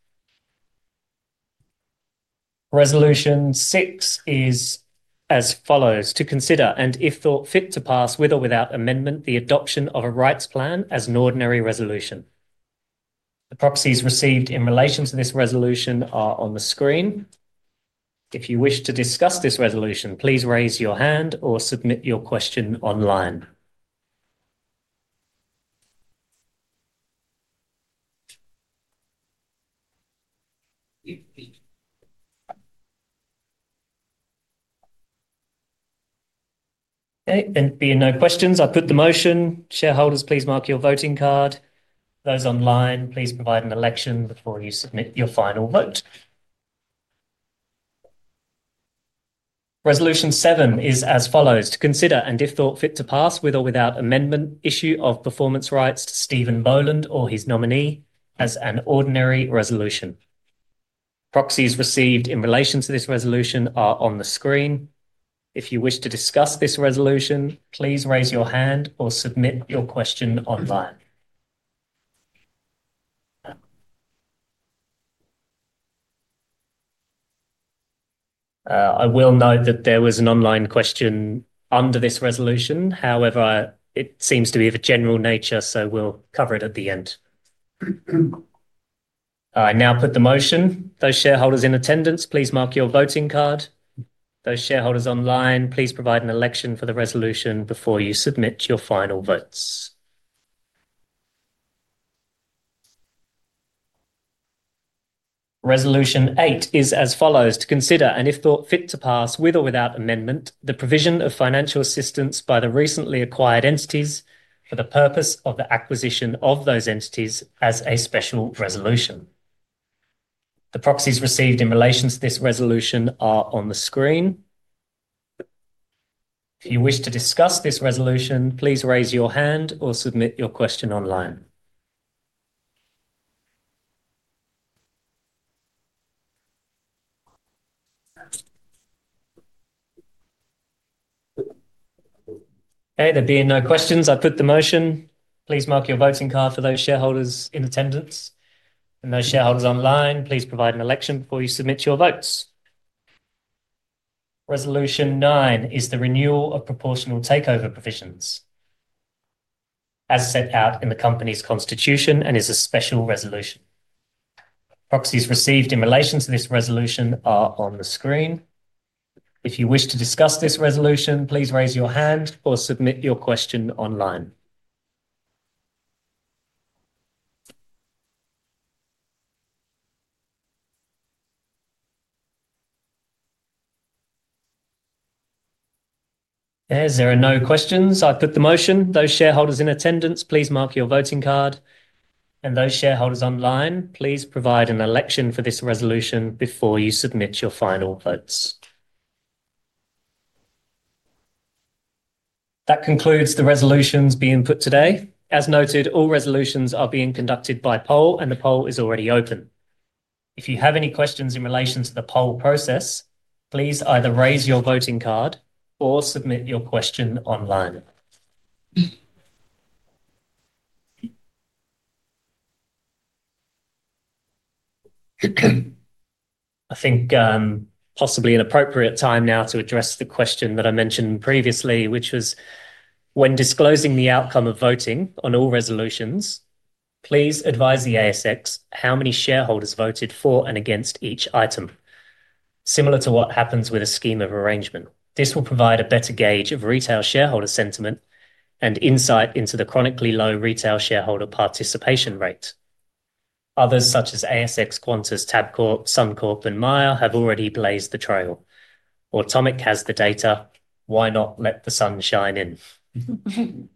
Resolution six is as follows. To consider and if thought fit to pass with or without amendment, the adoption of a rights plan as an ordinary resolution. The proxies received in relation to this resolution are on the screen. If you wish to discuss this resolution, please raise your hand or submit your question online. Okay. There being no questions, I put the motion. Shareholders, please mark your voting card. Those online, please provide an election before you submit your final vote. Resolution seven is as follows. To consider and if thought fit to pass with or without amendment, issue of performance rights to Steve Boland or his nominee as an ordinary resolution. Proxies received in relation to this resolution are on the screen. If you wish to discuss this resolution, please raise your hand or submit your question online. I will note that there was an online question under this resolution. However, it seems to be of a general nature, so we'll cover it at the end. I now put the motion. Those shareholders in attendance, please mark your voting card. Those shareholders online, please provide an election for the resolution before you submit your final votes. Resolution eight is as follows. To consider and if thought fit to pass with or without amendment, the provision of financial assistance by the recently acquired entities for the purpose of the acquisition of those entities as a special resolution. The proxies received in relation to this resolution are on the screen. If you wish to discuss this resolution, please raise your hand or submit your question online. Okay. There being no questions, I put the motion. Please mark your voting card for those shareholders in attendance. Those shareholders online, please provide an election before you submit your votes. Resolution nine is the renewal of proportional takeover provisions, as set out in the company's constitution and is a special resolution. Proxies received in relation to this resolution are on the screen. If you wish to discuss this resolution, please raise your hand or submit your question online. Okay. There are no questions. I put the motion. Those shareholders in attendance, please mark your voting card. Those shareholders online, please provide an election for this resolution before you submit your final votes. That concludes the resolutions being put today. As noted, all resolutions are being conducted by poll, and the poll is already open. If you have any questions in relation to the poll process, please either raise your voting card or submit your question online. I think possibly an appropriate time now to address the question that I mentioned previously, which was when disclosing the outcome of voting on all resolutions, please advise the ASX how many shareholders voted for and against each item, similar to what happens with a scheme of arrangement. This will provide a better gauge of retail shareholder sentiment and insight into the chronically low retail shareholder participation rate. Others such as ASX, Qantas, Tabcorp, Suncorp, and Maia have already blazed the trail. Automic has the data. Why not let the sun shine in?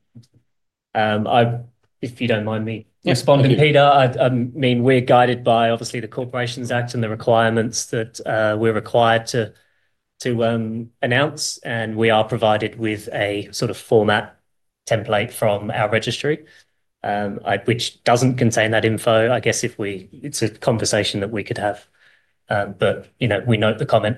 If you do not mind me responding, Peter, I mean, we are guided by, obviously, the Corporations Act and the requirements that we are required to announce. We are provided with a sort of format template from our registry, which does not contain that info. I guess if we—it is a conversation that we could have. We note the comment.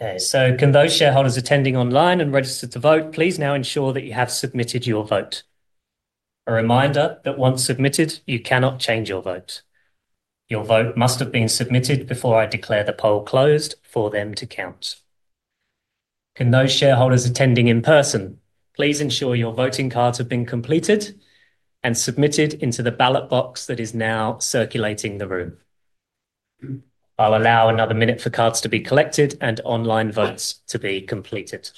Okay. Can those shareholders attending online and registered to vote please now ensure that you have submitted your vote. A reminder that once submitted, you cannot change your vote. Your vote must have been submitted before I declare the poll closed for them to count. Can those shareholders attending in person please ensure your voting cards have been completed and submitted into the ballot box that is now circulating the room. I will allow another minute for cards to be collected and online votes to be completed.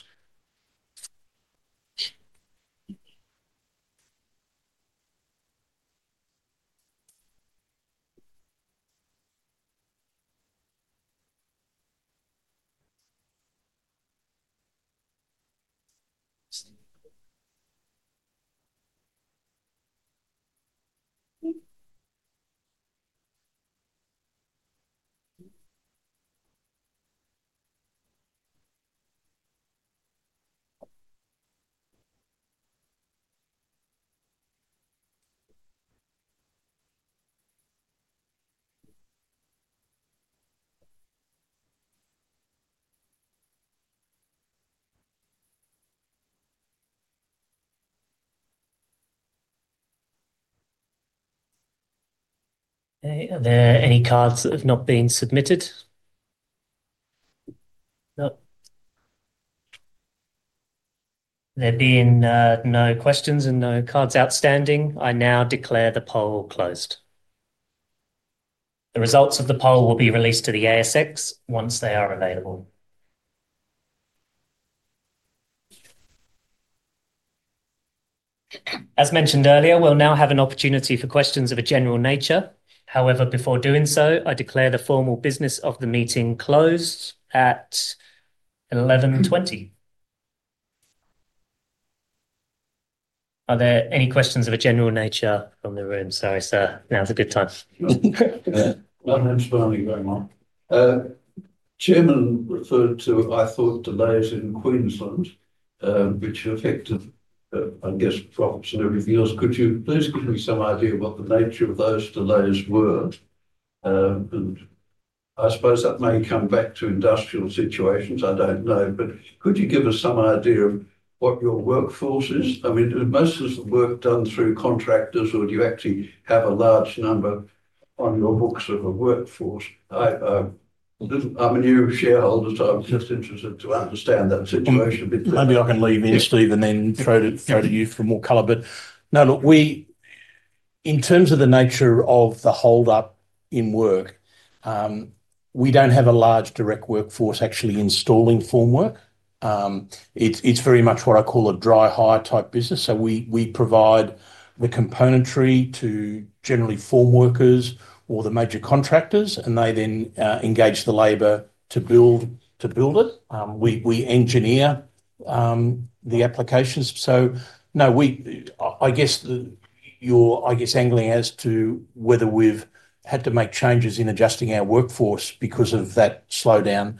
Okay. Are there any cards that have not been submitted? No. There being no questions and no cards outstanding, I now declare the poll closed. The results of the poll will be released to the ASX once they are available. As mentioned earlier, we'll now have an opportunity for questions of a general nature. However, before doing so, I declare the formal business of the meeting closed at 11:20 A.M. Are there any questions of a general nature from the room? Sorry, sir. Now's a good time. [One question only, thank you very much] Chairman referred to, I thought, delays in Queensland, which affected, I guess, profits and everything else. Could you please give me some idea of what the nature of those delays were? I suppose that may come back to industrial situations. I don't know. Could you give us some idea of what your workforce is? I mean, most of the work done through contractors, or do you actually have a large number on your books of a workforce? I'm a new shareholder, so I'm just interested to understand that situation a bit better. Maybe I can leave in, Steve, and then throw to you for more color. No, look, in terms of the nature of the hold-up in work, we do not have a large direct workforce actually installing formwork. It is very much what I call a dry-hire type business. We provide the componentry to generally formworkers or the major contractors, and they then engage the labor to build it. We engineer the applications. No, I guess you are, I guess, angling as to whether we have had to make changes in adjusting our workforce because of that slowdown,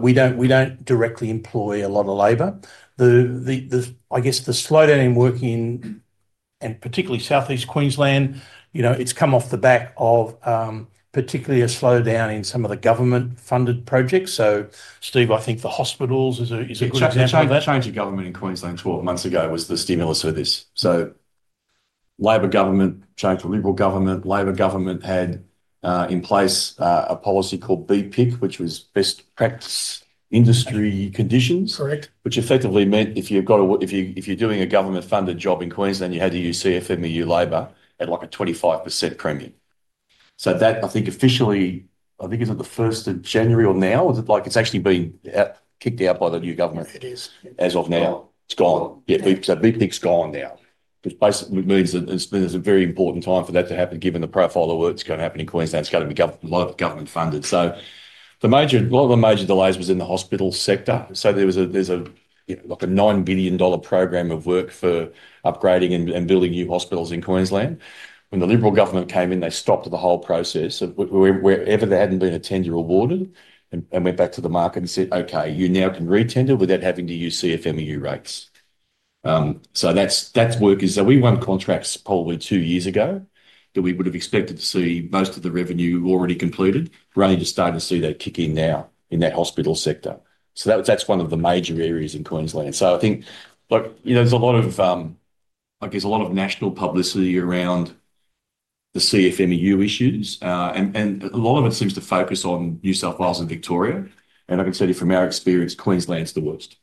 we do not directly employ a lot of labor. I guess the slowdown in working, and particularly Southeast Queensland, it has come off the back of particularly a slowdown in some of the government-funded projects. Steve, I think the hospitals is a good example of that. Change of government in Queensland 12 months ago was the stimulus for this. Labour government changed to Liberal Government. Labour government had in place a policy called BPIC, which was best practice industry conditions. Correct. Which effectively meant if you're doing a government-funded job in Queensland, you had to use CFMEU labour at like a 25% premium. I think, officially, I think it's at the 1st of January or now, or is it like it's actually been kicked out by the new government? It is. As of now, it's gone. Yeah. So BPIC's gone now. Which basically means that it's been a very important time for that to happen given the profile of work that's going to happen in Queensland's going to be government-funded. A lot of the major delays was in the hospital sector. There is a 9 billion dollar program of work for upgrading and building new hospitals in Queensland. When the Liberal Government came in, they stopped the whole process wherever they had not been [tendered] or awarded, and went back to the market and said, "Okay, you now can re-attend it without having to use CFMEU rates." That is work. We won contracts probably two years ago that we would have expected to see most of the revenue already completed. We are only just starting to see that kick in now in that hospital sector. That is one of the major areas in Queensland. I think, look, there is a lot of, I guess, a lot of national publicity around the CFMEU issues. A lot of it seems to focus on New South Wales and Victoria. I can tell you from our experience, Queensland's the worst.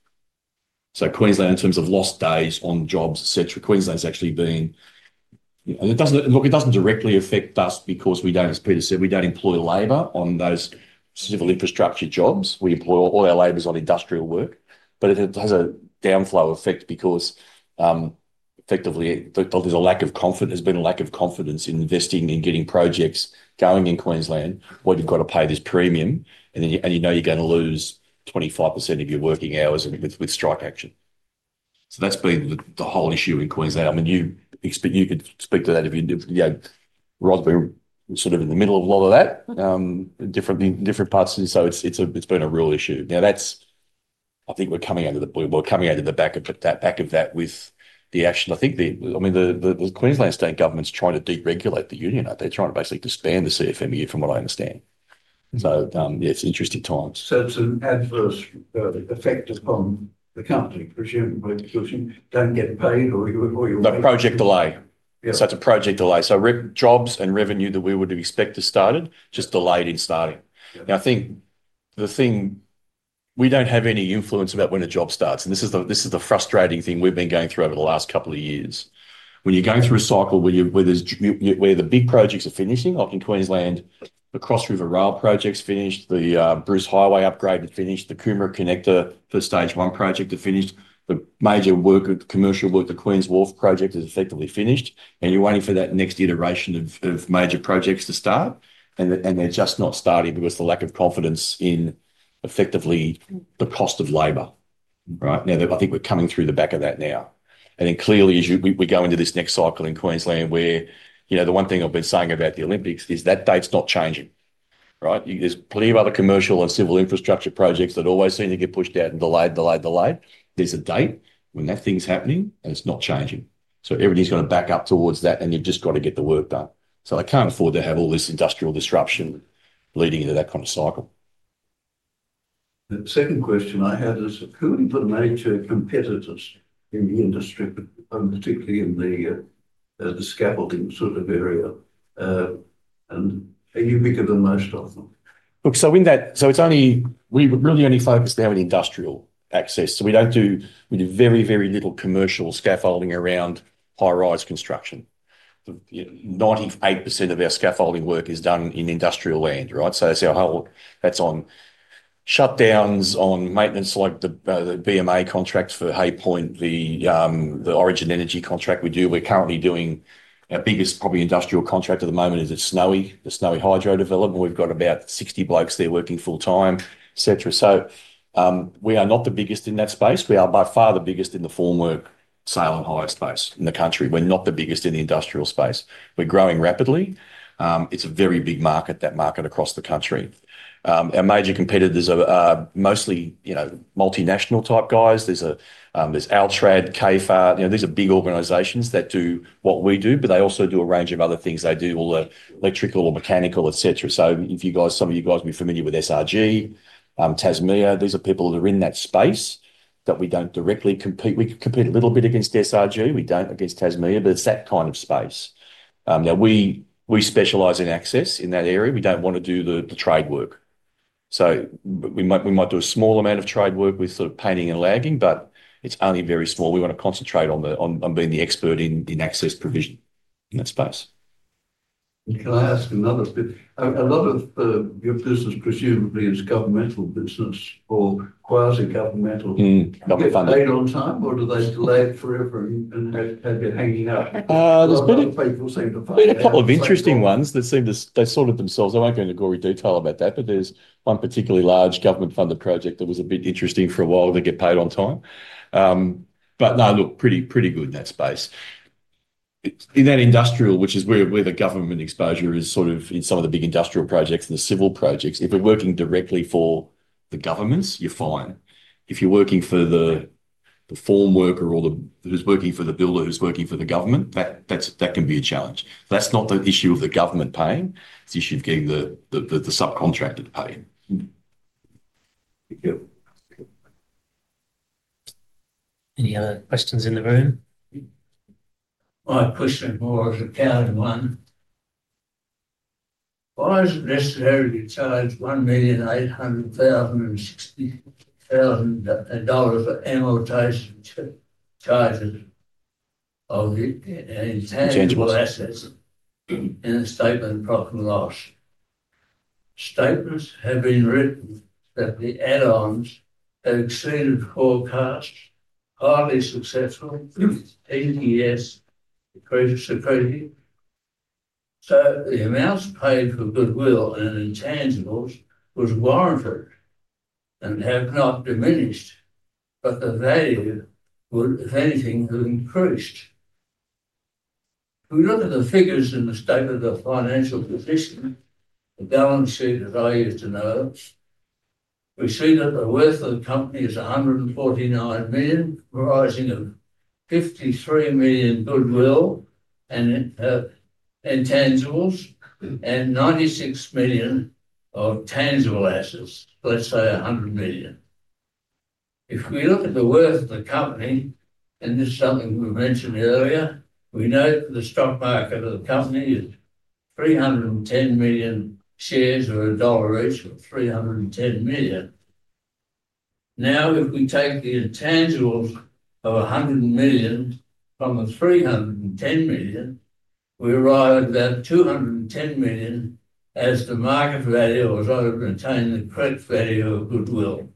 Queensland, in terms of lost days on jobs, etc., Queensland's actually been—look, it doesn't directly affect us because we don't, as Peter said, we don't employ labor on those civil infrastructure jobs. We employ all our labor on industrial work. It has a downflow effect because effectively, there's a lack of confidence. There's been a lack of confidence in investing in getting projects going in Queensland where you've got to pay this premium, and you know you're going to lose 25% of your working hours with strike action. That's been the whole issue in Queensland. I mean, you could speak to that if you—[Rod], we're sort of in the middle of a lot of that in different parts. It's been a real issue. Now, I think we're coming out of the—we're coming out of the back of that with the action. I think the—I mean, the Queensland State Government's trying to deregulate the union. They're trying to basically disband the CFMEU from what I understand. Yeah, it's interesting times. It's an adverse effect upon the company, presumably, because you don't get paid or you're— No, project delay. It's a project delay. Jobs and revenue that we would have expected started just delayed in starting. I think the thing—we don't have any influence about when a job starts. This is the frustrating thing we've been going through over the last couple of years. When you're going through a cycle where the big projects are finishing, like in Queensland, the Cross River Rail project's finished, the Bruce Highway upgrade is finished, the Coomer Connector, the stage one project is finished, the major commercial work, the Queens Wharf project is effectively finished, and you're waiting for that next iteration of major projects to start. They're just not starting because of the lack of confidence in effectively the cost of labor. Right? I think we're coming through the back of that now. Clearly, as we go into this next cycle in Queensland, the one thing I've been saying about the Olympics is that date's not changing. There are plenty of other commercial and civil infrastructure projects that always seem to get pushed out and delayed, delayed, delayed. There's a date when that thing's happening, and it's not changing. Everything's going to back up towards that, and you've just got to get the work done. I can't afford to have all this industrial disruption leading into that kind of cycle. The second question I had is, who are the major competitors in the industry, particularly in the scaffolding sort of area? And who do you pick up the most often? Look, it's only—we're really only focused now on industrial access. We do very, very little commercial scaffolding around high-rise construction. 98% of our scaffolding work is done in industrial land. Right? That's our whole—that's on shutdowns, on maintenance, like the BMA contract for Hay Point, the Origin Energy contract we do. We're currently doing our biggest, probably, industrial contract at the moment at Snowy, the Snowy Hydro development. We've got about 60 blokes there working full-time, etc. We are not the biggest in that space. We are by far the biggest in the formwork, sale and hire space in the country. We're not the biggest in the industrial space. We're growing rapidly. It's a very big market, that market across the country. Our major competitors are mostly multinational type guys. There's Altrad, [CIFA]. These are big organizations that do what we do, but they also do a range of other things. They do all the electrical or mechanical, etc. Some of you guys will be familiar with SRG, Tasminia. These are people that are in that space that we don't directly compete. We compete a little bit against SRG. We don't against Tasminia, but it's that kind of space. Now, we specialize in access in that area. We don't want to do the trade work. We might do a small amount of trade work with sort of painting and lagging, but it's only very small. We want to concentrate on being the expert in access provision in that space. Can I ask another bit? A lot of your business, presumably, is governmental business or quasi-governmental. They get paid on time, or do they delay it forever and have you hanging out? A lot of people seem to find that. A lot of interesting ones that seem to—they sort of themselves. I won't go into gory detail about that, but there's one particularly large government-funded project that was a bit interesting for a while to get paid on time. No, look, pretty good in that space. In that industrial, which is where the government exposure is sort of in some of the big industrial projects and the civil projects, if you're working directly for the governments, you're fine. If you're working for the formwork or who's working for the builder who's working for the government, that can be a challenge. That's not the issue of the government paying. It's the issue of getting the subcontractor to pay. Any other questions in the room? My question more is a coward one. Why is it necessary to charge 1,800,060 dollars for amortization charges of intangible assets in a statement of profit and loss? Statements have been written that the add-ons have exceeded forecasts, highly successful, easy yes, decreased security. So the amounts paid for goodwill and intangibles were warranted and have not diminished, but the value, if anything, has increased. If we look at the figures in the state of the financial position, the balance sheet as I used to know it, we see that the worth of the company is 149 million, comprising of 53 million goodwill and intangibles and 96 million of tangible assets, let's say 100 million. If we look at the worth of the company, and this is something we mentioned earlier, we know that the stock market of the company is 310 million shares or a dollar each of 310 million. Now, if we take the intangibles of 100 million from the 310 million, we arrive at about 210 million as the market value or as I would retain the correct value of goodwill.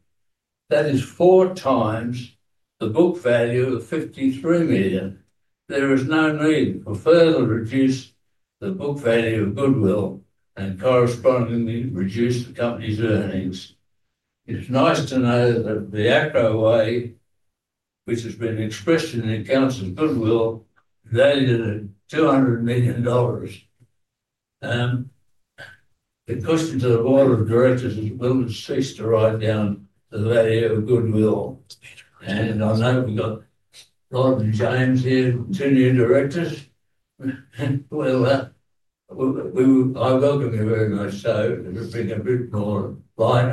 That is four times the book value of 53 million. There is no need to further reduce the book value of goodwill and correspondingly reduce the company's earnings. It's nice to know that the Acrow way, which has been expressed in the accounts as goodwill, valued at AUD 200 million. The question to the board of directors is, will we cease to write down the value of goodwill? I know we have Rod and James here, two new directors. I welcome you very much. It would bring a bit more light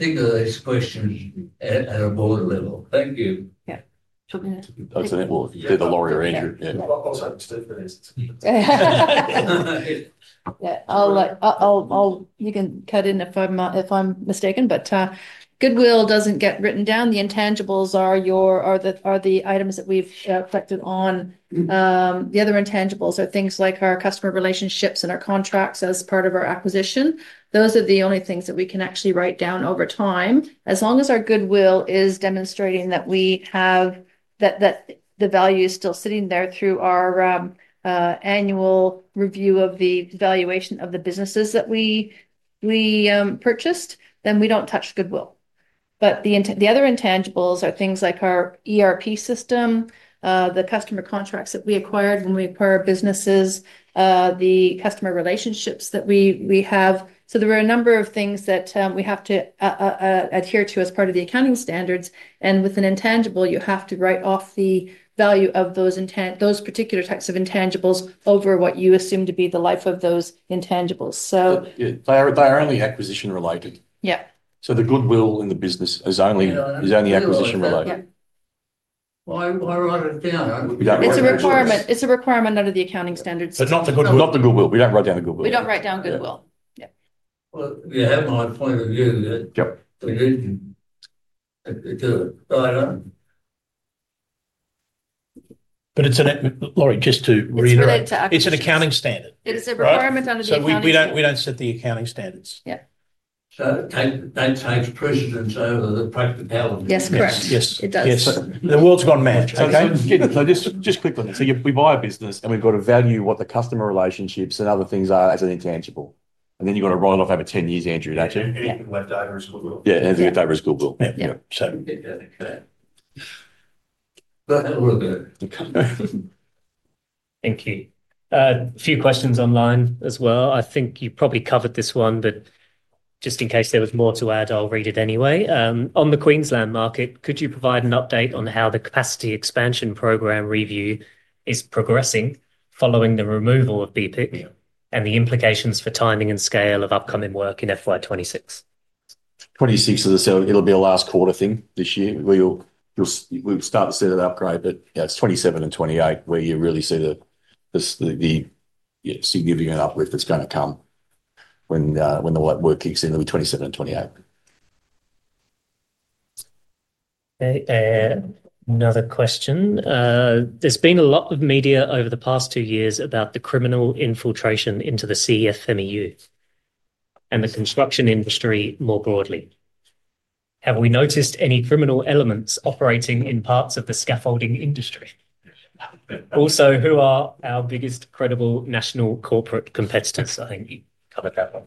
and maybe think of these questions at a board level. Thank you. Yeah. You can cut in if I'm mistaken, but goodwill does not get written down. The intangibles are the items that we have collected on. The other intangibles are things like our customer relationships and our contracts as part of our acquisition. Those are the only things that we can actually write down over time. As long as our goodwill is demonstrating that we have the value still sitting there through our annual review of the valuation of the businesses that we purchased, then we do not touch goodwill. The other intangibles are things like our ERP system, the customer contracts that we acquired when we acquired businesses, the customer relationships that we have. There are a number of things that we have to adhere to as part of the accounting standards. With an intangible, you have to write off the value of those particular types of intangibles over what you assume to be the life of those intangibles. They are only acquisition related. Yeah. The goodwill in the business is only acquisition related. I write it down. It is a requirement. It is a requirement under the accounting standards. Not the goodwill. Not the goodwill. We do not write down the goodwill. We do not write down goodwill. Yeah. You have my point of view. Yep. It is an— sorry, just to reiterate. It is an accounting standard. It is a requirement under the accounting standards. We do not set the accounting standards. Yeah. They change precedents over the practicality. Yes, correct. Yes, it does. Yes. The world's gone mad. Okay? Just quickly. We buy a business, and we have to value what the customer relationships and other things are as an intangible. Then you have to write off, have a 10-year's entry. Do you not? Yeah, and have a good day with school bill. Yeah. Yeah. Thank you. A few questions online as well. I think you probably covered this one, but just in case there was more to add, I will read it anyway. On the Queensland market, could you provide an update on how the capacity expansion program review is progressing following the removal of BPIC and the implications for timing and scale of upcoming work in FY26? Twenty-six is a—so it'll be a last quarter thing this year. We'll start to see that upgrade, but it's 2027 and 2028 where you really see the significant uplift that's going to come when the work kicks in, 2027 and 2028. Okay. Another question. There's been a lot of media over the past two years about the criminal infiltration into the CFMEU and the construction industry more broadly. Have we noticed any criminal elements operating in parts of the scaffolding industry? Also, who are our biggest credible national corporate competitors? I think you covered that one.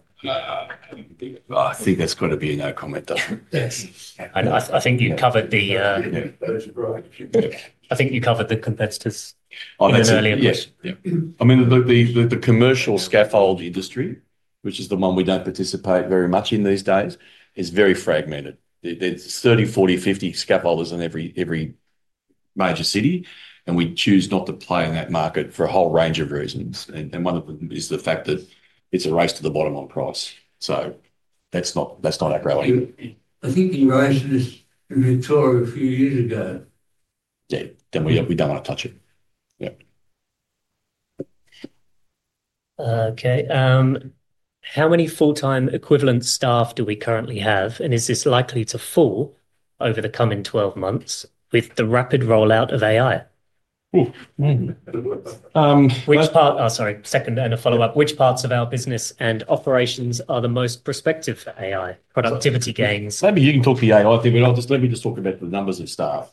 I think that's got to be in our comment, doesn't it? Yes. I think you covered the—I think you covered the competitors in an earlier question. I mean, look, the commercial scaffold industry, which is the one we do not participate very much in these days, is very fragmented. There are 30, 40, 50 scaffolders in every major city, and we choose not to play in that market for a whole range of reasons. One of them is the fact that it is a race to the bottom on price. That is not our growing. I think you raised this in Victoria a few years ago. Yeah. We do not want to touch it. Yeah. Okay. How many full-time equivalent staff do we currently have? Is this likely to fall over the coming 12 months with the rapid rollout of AI? Which part—oh, sorry, second and a follow-up. Which parts of our business and operations are the most prospective for AI productivity gains? Maybe you can talk to the AI thing, but let me just talk about the numbers of staff.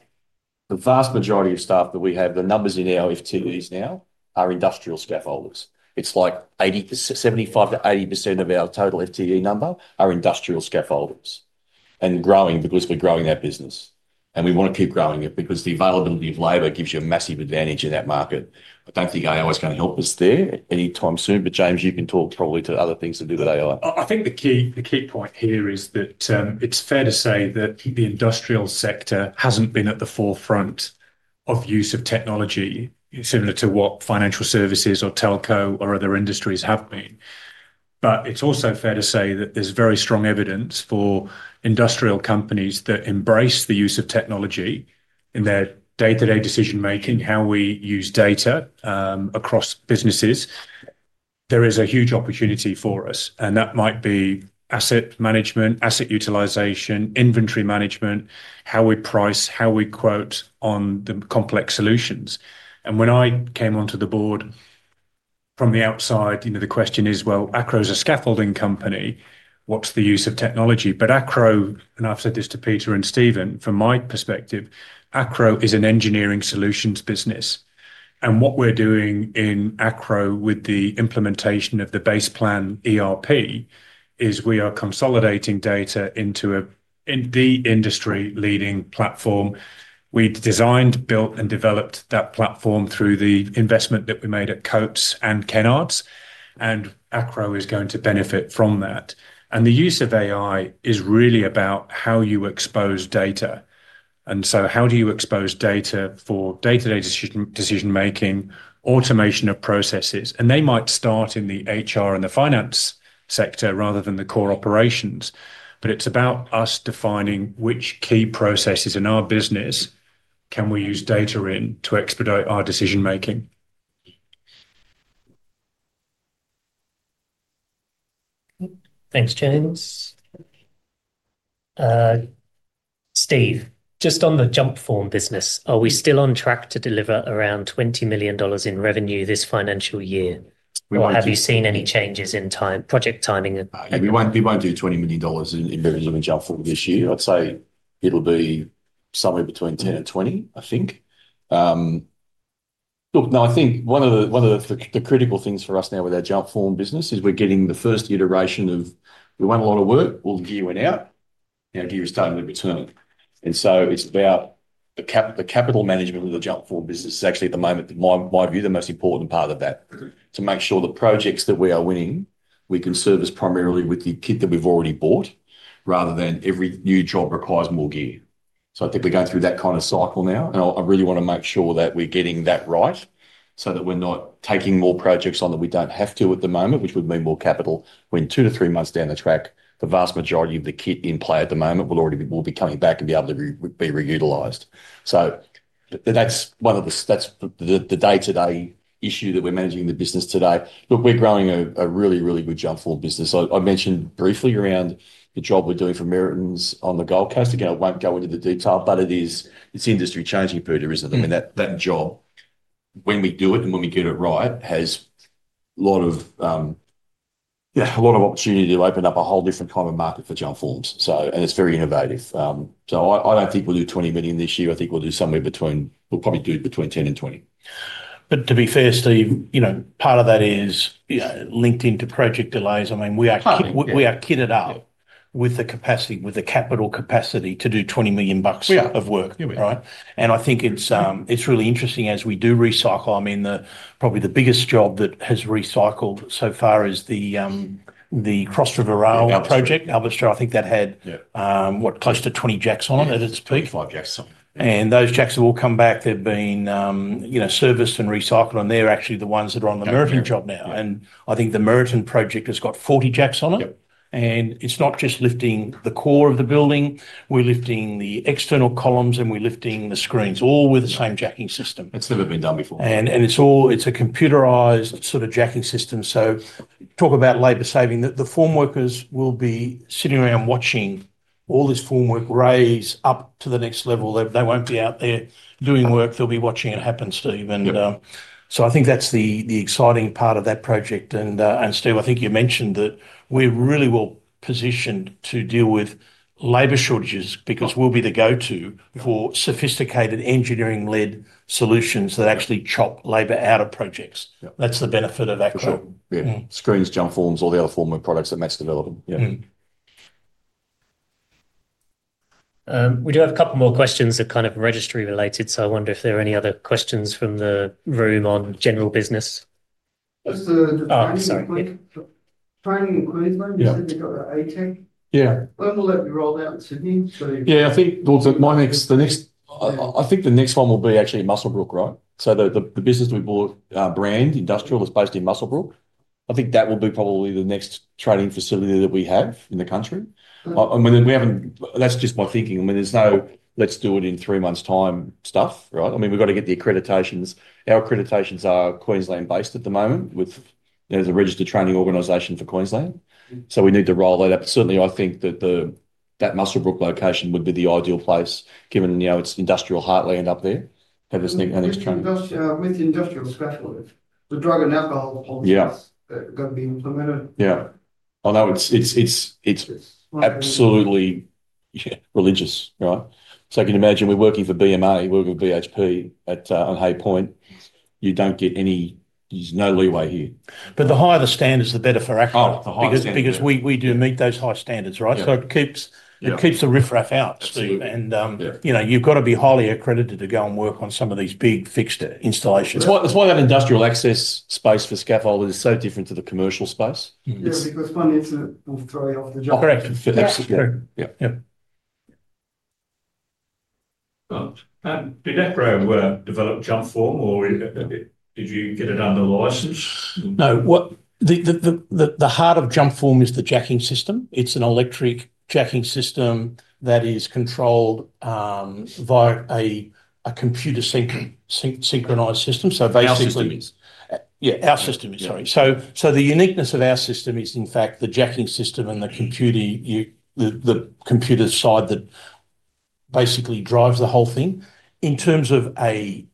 The vast majority of staff that we have, the numbers in our FTEs now are industrial scaffolders. It's like 75-80% of our total FTE number are industrial scaffolders. And growing because we're growing our business. And we want to keep growing it because the availability of labor gives you a massive advantage in that market. I don't think AI is going to help us there anytime soon, but James, you can talk probably to other things to do with AI. I think the key point here is that it's fair to say that the industrial sector hasn't been at the forefront of use of technology, similar to what financial services or telco or other industries have been. It is also fair to say that there is very strong evidence for industrial companies that embrace the use of technology in their day-to-day decision-making, how we use data across businesses. There is a huge opportunity for us, and that might be asset management, asset utilization, inventory management, how we price, how we quote on the complex solutions. When I came onto the board from the outside, the question is, Acrow is a scaffolding company. What is the use of technology? Acrow, and I have said this to Peter and Steven, from my perspective, Acrow is an engineering solutions business. What we are doing in Acrow with the implementation of the Baseplan ERP is we are consolidating data into the industry-leading platform. We designed, built, and developed that platform through the investment that we made at Coates and Kennards. Acrow is going to benefit from that. The use of AI is really about how you expose data. How do you expose data for day-to-day decision-making, automation of processes? They might start in the HR and the finance sector rather than the core operations. It is about us defining which key processes in our business can we use data in to expedite our decision-making. Thanks, James. Steve, just on the Jumpform business, are we still on track to deliver around 20 million dollars in revenue this financial year? Have you seen any changes in project timing? We will not do 20 million dollars in revenue in Jumpform this year. I would say it will be somewhere between 10 million-20 million, I think. Look, no, I think one of the critical things for us now with our Jumpform business is we're getting the first iteration of, we want a lot of work, we'll gear in and out, now gear is starting to return. And so it's about the capital management of the Jumpform business is actually at the moment, in my view, the most important part of that. To make sure the projects that we are winning, we can service primarily with the kit that we've already bought, rather than every new job requires more gear. I think we're going through that kind of cycle now. I really want to make sure that we're getting that right so that we're not taking more projects on that we don't have to at the moment, which would mean more capital when two to three months down the track, the vast majority of the kit in play at the moment will be coming back and be able to be reutilized. That is one of the day-to-day issues that we're managing the business today. Look, we're growing a really, really good Jumpform business. I mentioned briefly around the job we're doing for Meriton on the Gold Coast. Again, I won't go into the detail, but it's industry-changing, Peter, isn't it? I mean, that job, when we do it and when we get it right, has a lot of opportunity to open up a whole different kind of market for Jumpforms. It is very innovative. I do not think we will do 20 million this year. I think we will do somewhere between—we will probably do between 10 million and 20 million. To be fair, Steve, part of that is linked into project delays. I mean, we are kitted up with the capacity, with the capital capacity to do 20 million bucks of work, right? I think it is really interesting as we do recycle. I mean, probably the biggest job that has recycled so far is the Cross River Rail project, Albastro. I think that had, what, close to 20 jacks on it at its peak? 25 jacks on it. Those jacks have all come back. They have been serviced and recycled, and they are actually the ones that are on the Meriton job now. I think the Meriton project has got 40 jacks on it. It is not just lifting the core of the building. We're lifting the external columns, and we're lifting the screens, all with the same jacking system. It's never been done before. It's a computerized sort of jacking system. Talk about labor saving. The form workers will be sitting around watching all this formwork raise up to the next level. They won't be out there doing work. They'll be watching it happen, Steve. I think that's the exciting part of that project. Steve, I think you mentioned that we're really well positioned to deal with labor shortages because we'll be the go-to for sophisticated engineering-led solutions that actually chop labor out of projects. That's the benefit of Acrow. Sure. Yeah. Screens, jump forms, all the other formwork products that make the development. Yeah. We do have a couple more questions that are kind of registry-related, so I wonder if there are any other questions from the room on general business. Sorry. Trading and Queensland, you said you got the ATEC. Yeah. When will that be rolled out in Sydney? Yeah, I think my next—I think the next one will be actually in Muswellbrook, right? So the business we bought, Brand Australia, is based in Muswellbrook. I think that will be probably the next training facility that we have in the country. I mean, that's just my thinking. I mean, there's no let's-do-it-in-three-months-time stuff, right? I mean, we've got to get the accreditations. Our accreditations are Queensland-based at the moment, with a registered training organization for Queensland. So we need to roll that up. Certainly, I think that that Muswellbrook location would be the ideal place, given it's industrial heartland up there, to have this next training with industrial scaffolding. The drug and alcohol policies that are going to be implemented. Yeah. I know it's absolutely religious, right? You can imagine we're working for BMA, working for BHP on Hay Point. You don't get any—there's no leeway here. The higher the standards, the better for Acrow. Oh, the higher the standards. Because we do meet those high standards, right? It keeps the riff-raff out, Steve. You've got to be highly accredited to go and work on some of these big fixed installations. It's why that industrial access space for scaffolders is so different to the commercial space. Yeah, because funding's a throw-off the job. Correct. Absolutely. Yeah. Did Acrow develop Jumpform, or did you get it under license? No. The heart of jump form is the jacking system. It's an electric jacking system that is controlled via a computer synchronised system. Basically, our system is—yeah, our system is, sorry. The uniqueness of our system is, in fact, the jacking system and the computer side that basically drives the whole thing. In terms of a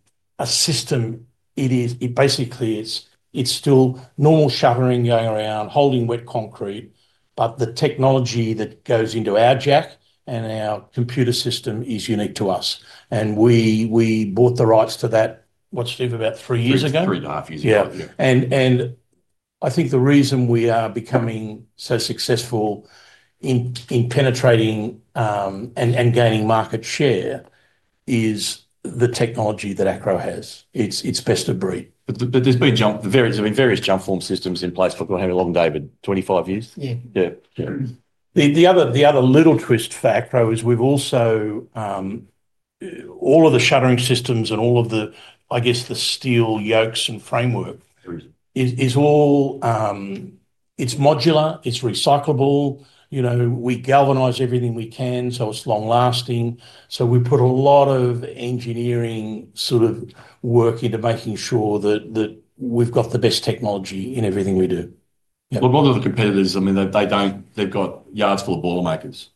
system, it basically is still normal shuttering going around, holding wet concrete, but the technology that goes into our jack and our computer system is unique to us. We bought the rights to that, what, Steve, about three years ago? Three and a half years ago. Yeah. I think the reason we are becoming so successful in penetrating and gaining market share is the technology that Acrow has. It's best of breed. There have been various jump form systems in place for—go ahead and long, David—25 years. Yeah. Yeah. The other little twist for Acrow is we've also—all of the shuttering systems and all of the, I guess, the steel yokes and framework is all—it's modular, it's recyclable. We galvanize everything we can, so it's long-lasting. We put a lot of engineering sort of work into making sure that we've got the best technology in everything we do. Look, all of the competitors, I mean, they've got yards full of boilermakers,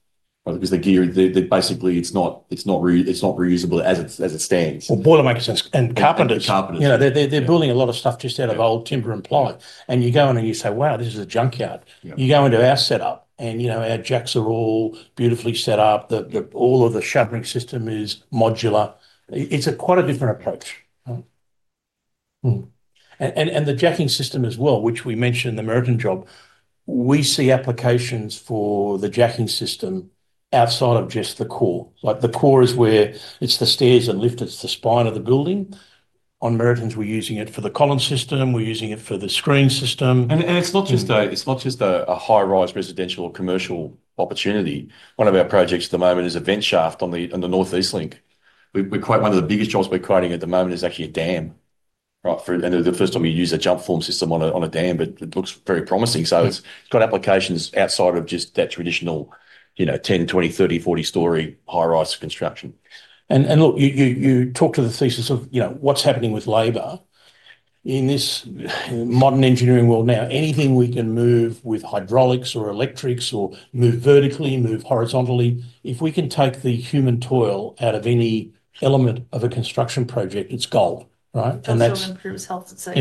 right? Because the gear, basically, it's not reusable as it stands. Boilermakers and carpenters. Carpenters. They're building a lot of stuff just out of old timber and plywood. You go in and you say, "Wow, this is a junkyard." You go into our setup, and our jacks are all beautifully set up. All of the shuttering system is modular. It's quite a different approach. The jacking system as well, which we mentioned in the Meriton job, we see applications for the jacking system outside of just the core. The core is where it's the stairs and lift. It's the spine of the building. On Meriton, we're using it for the column system. We're using it for the screen system. It's not just a high-rise residential or commercial opportunity. One of our projects at the moment is a vent shaft on the Northeast Link. One of the biggest jobs we're creating at the moment is actually a dam, right? The first time you use a Jumpform system on a dam, but it looks very promising. It has applications outside of just that traditional 10, 20, 30, 40-storey high-rise construction. You talk to the thesis of what's happening with labor in this modern engineering world now. Anything we can move with hydraulics or electrics or move vertically, move horizontally, if we can take the human toil out of any element of a construction project, it is gold, right? That is what improves health, it seems.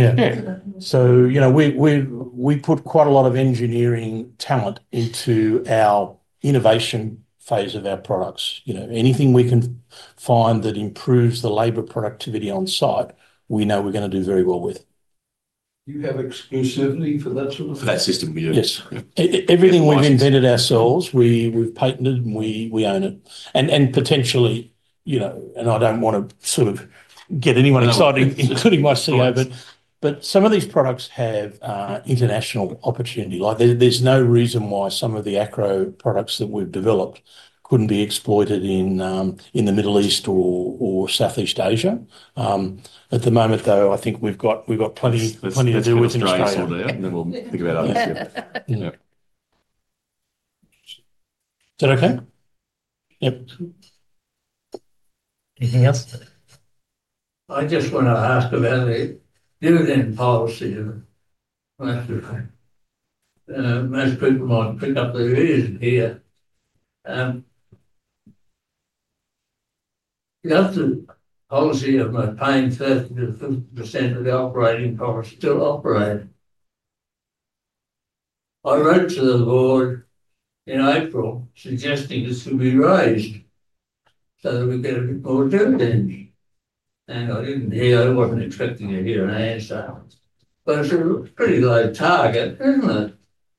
Yeah. We put quite a lot of engineering talent into our innovation phase of our products. Anything we can find that improves the labor productivity on site, we know we are going to do very well with. Do you have exclusivity for that sort of— for that system, yes. Everything we have invented ourselves, we have patented and we own it. Potentially, and I do not want to sort of get anyone excited, including my CEO, but some of these products have international opportunity. There is no reason why some of the Acrow products that we have developed could not be exploited in the Middle East or Southeast Asia. At the moment, though, I think we've got plenty to do with Australia. There's plenty of stuff out there, and then we'll think about other stuff. Is that okay? Yep. Anything else? I just want to ask about the dividend policy. Most people might pick up the ears here. Does the policy of not paying 30%-50% of the operating costs still operate? I wrote to the board in April suggesting this could be raised so that we get a bit more dividends. I didn't hear—I wasn't expecting to hear an answer. It's a pretty low target, isn't it?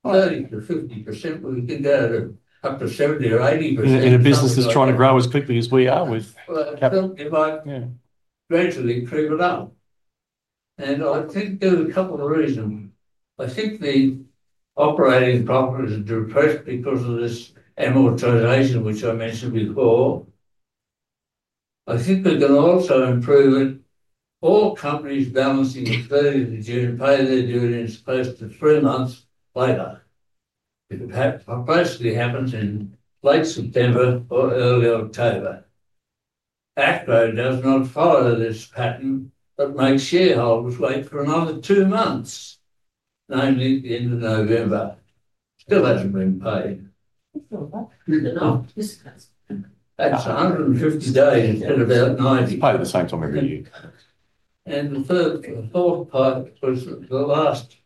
30% to 50%, but we could go up to 70% or 80%. The business is trying to grow as quickly as we are with capital. It's something like gradually trim it up. I think there's a couple of reasons. I think the operating profit is depressed because of this amortization, which I mentioned before. I think we can also improve it. All companies balancing the credit is due to pay their dividends close to three months later. It possibly happens in late September or early October. Acrow does not follow this pattern, but makes shareholders wait for another two months, namely the end of November. Still has not been paid. That is 150 days instead of about 90. Pay at the same time every year. The fourth part was the last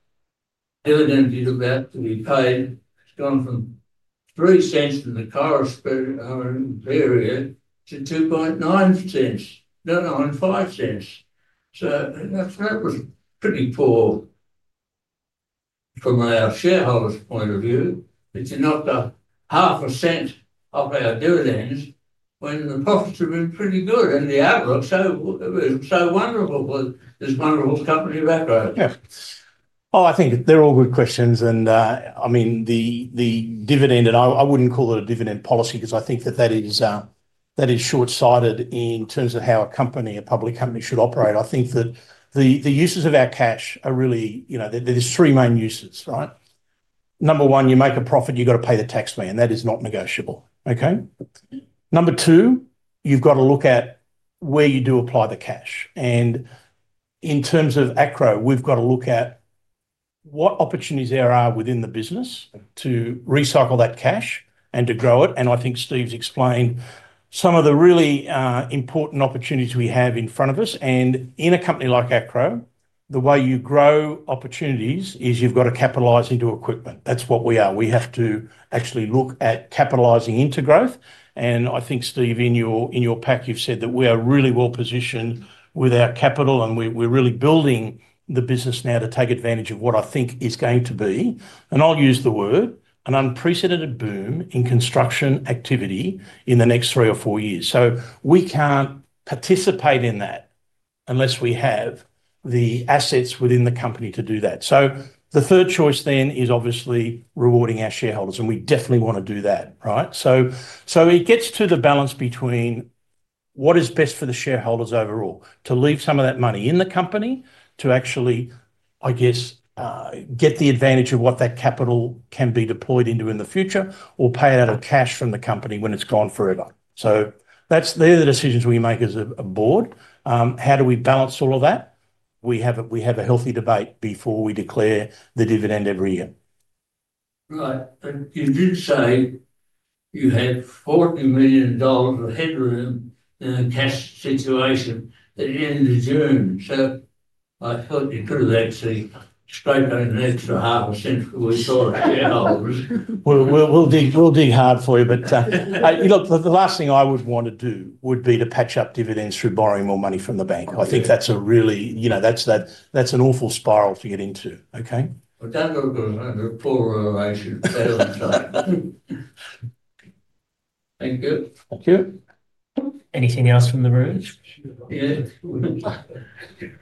dividend you are about to be paid. It has gone from 0.03 in the current period to 0.029, not 0.095. That was pretty poor from our shareholders' point of view. It is not half a cent off our dividends when the profits have been pretty good and the outlook was so wonderful for this wonderful company of Acrow. Yeah. Oh, I think they're all good questions. I mean, the dividend, and I wouldn't call it a dividend policy because I think that that is short-sighted in terms of how a company, a public company, should operate. I think that the uses of our cash are really—there's three main uses, right? Number one, you make a profit, you've got to pay the tax man. That is not negotiable, okay? Number two, you've got to look at where you do apply the cash. In terms of Acrow, we've got to look at what opportunities there are within the business to recycle that cash and to grow it. I think Steve's explained some of the really important opportunities we have in front of us. In a company like Acrow, the way you grow opportunities is you've got to capitalize into equipment. That's what we are. We have to actually look at capitalizing into growth. I think, Steve, in your pack, you have said that we are really well positioned with our capital, and we are really building the business now to take advantage of what I think is going to be, and I will use the word, an unprecedented boom in construction activity in the next three or four years. We cannot participate in that unless we have the assets within the company to do that. The third choice then is obviously rewarding our shareholders, and we definitely want to do that, right? It gets to the balance between what is best for the shareholders overall, to leave some of that money in the company, to actually, I guess, get the advantage of what that capital can be deployed into in the future, or pay it out of cash from the company when it's gone forever. They're the decisions we make as a board. How do we balance all of that? We have a healthy debate before we declare the dividend every year. Right. You did say you had 40 million dollars of headroom in a cash situation at the end of June. I thought you could have actually scraped an extra AUD 0.005 for the shareholders. We'll dig hard for you, but look, the last thing I would want to do would be to patch up dividends through borrowing more money from the bank. I think that's a really—that's an awful spiral to get into, okay? We'll take a look at that before we're on the basics. Thank you. Thank you. Anything else from the room? Yeah. This is more direct to Steve.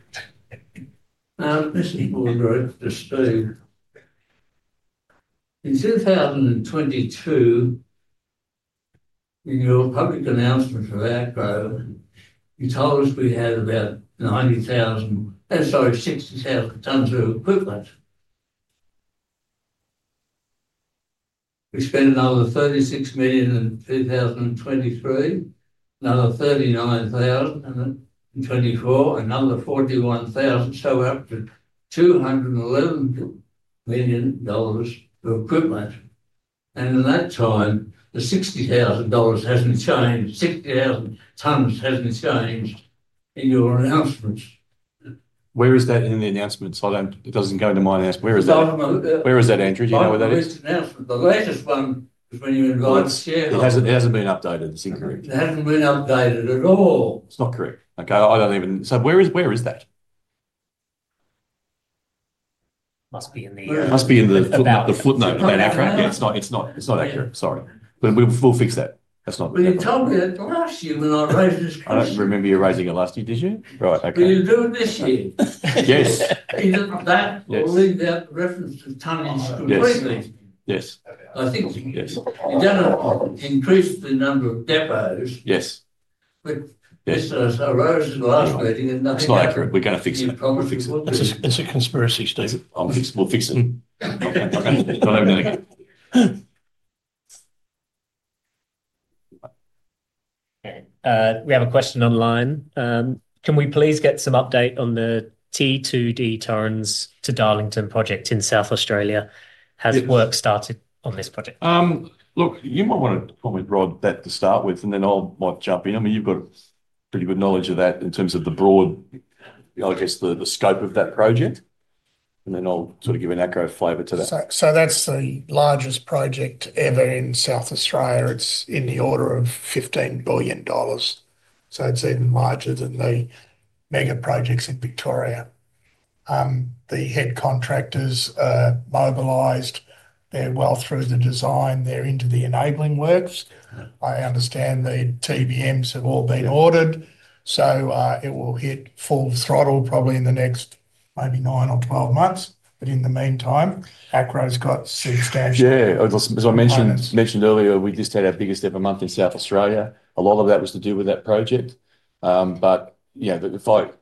In 2022, in your public announcement for Acrow, you told us we had about 90,000—sorry, 60,000 tons of equipment. We spent another 36 million in 2023, another [30] in 2024, another 41,000, so up to 211 million dollars of equipment. And in that time, the 60,000 hasn't changed. 60,000 tons hasn't changed in your announcements. Where is that in the announcement? Sorry, it doesn't go into my announcement. Where is that? Where is that, Andrew? Do you know where that is? [CROSSTALK] [CROSSTALK] we told you that last year when I raised this question. I don't remember you raising it last year, did you? Right. Okay. You're doing it this year. Yes. That will leave that reference to tunnels completely. Yes. I think you don't increase the number of depots. Yes. This has arisen last meeting, and I think it's not accurate. We're going to fix that. It's a conspiracy, Steve. We'll fix it. Okay. Okay. Don't have anything. Okay. We have a question online. Can we please get some update on the T2D Torrens to Darlington project in South Australia? Has work started on this project? Look, you might want to call me broad that to start with, and then I'll jump in. I mean, you've got pretty good knowledge of that in terms of the broad, I guess, the scope of that project. Then I'll sort of give an Acrow flavor to that. That is the largest project ever in South Australia. It is in the order of 15 billion dollars. It is even larger than the mega projects in Victoria. The head contractors are mobilized. They are well through the design. They are into the enabling works. I understand the TBMs have all been ordered. It will hit full throttle probably in the next maybe nine or twelve months. In the meantime, Acrow's got substantial— Yeah. As I mentioned earlier, we just had our biggest ever month in South Australia. A lot of that was to do with that project. The vote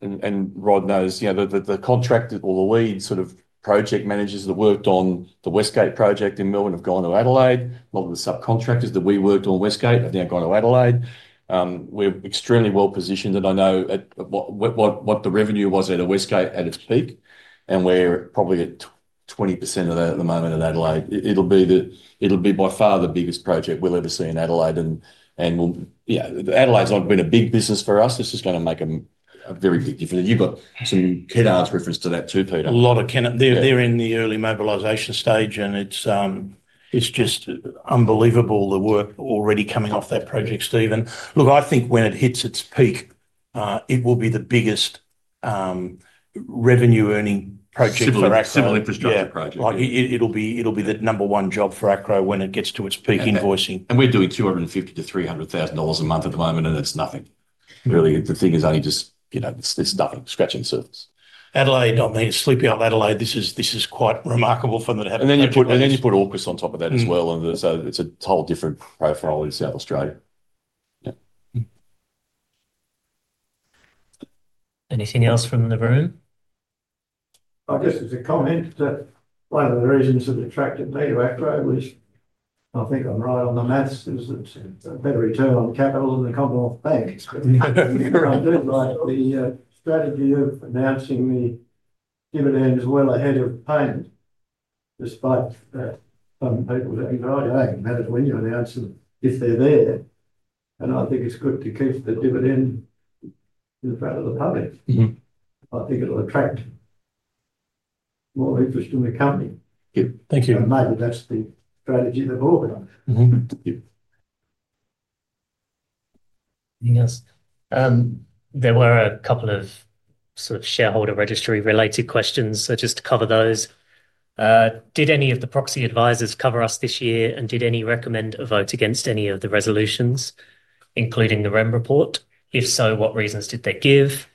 and Rod knows the contractor or the lead sort of project managers that worked on the Westgate project in Milton have gone to Adelaide. A lot of the subcontractors that we worked on Westgate have now gone to Adelaide. We're extremely well positioned, and I know what the revenue was at Westgate at its peak, and we're probably at 20% of that at the moment in Adelaide. It will be by far the biggest project we'll ever see in Adelaide. Adelaide's not been a big business for us. This is going to make a very big difference. You've got some head-arts reference to that too, Peter. A lot of—they're in the early mobilisation stage, and it's just unbelievable the work already coming off that project, Steven. Look, I think when it hits its peak, it will be the biggest revenue-earning project for Acrow. Civil Infrastructure project. It'll be the number one job for Acrow when it gets to its peak invoicing. We're doing 250,000-300,000 dollars a month at the moment, and it's nothing. Really, the thing is only just—it's nothing, scratching the surface. Adelaide, I mean, sleepy old Adelaide, this is quite remarkable for them to have a project. You put Orcus on top of that as well. It is a whole different profile in South Australia. Anything else from the room? I guess it's a comment. One of the reasons that attracted me to Acrow was, I think I'm right on the maths, is that a better return on capital than the Commonwealth Bank. I do like the strategy of announcing the dividends well ahead of payment, despite some people thinking, "Oh, it does not matter when you announce them, if they are there." I think it is good to keep the dividend in front of the public. I think it will attract more interest in the company. Thank you. Maybe that is the strategy they have all got. Anything else? There were a couple of sort of shareholder registry-related questions, so just to cover those. Did any of the proxy advisors cover us this year, and did any recommend a vote against any of the resolutions, including the REM report? If so, what reasons did they give?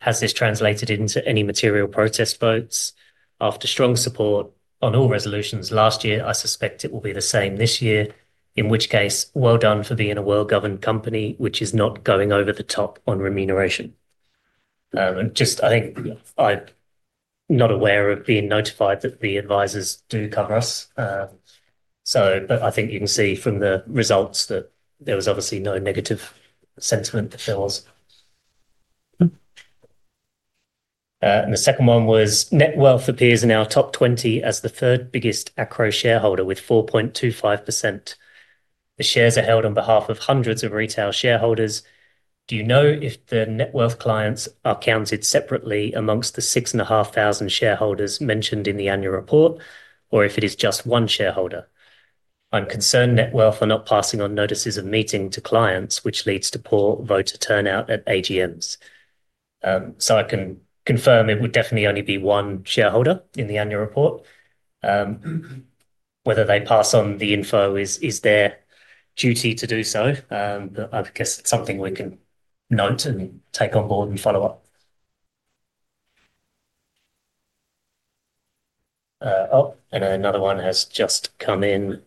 Has this translated into any material protest votes? After strong support on all resolutions last year, I suspect it will be the same this year. In which case, well done for being a well-governed company, which is not going over the top on remuneration.I think I'm not aware of being notified that the advisors do cover us. I think you can see from the results that there was obviously no negative sentiment to fills. The second one was NetWealth appears in our top 20 as the third biggest Acrow shareholder with 4.25%. The shares are held on behalf of hundreds of retail shareholders. Do you know if the NetWealth clients are counted separately amongst the 6,500 shareholders mentioned in the annual report, or if it is just one shareholder? I'm concerned NetWealth are not passing on notices of meeting to clients, which leads to poor voter turnout at AGMs. I can confirm it would definitely only be one shareholder in the annual report. Whether they pass on the info is their duty to do so. I guess it's something we can note and take on board and follow up. Oh, and another one has just come in.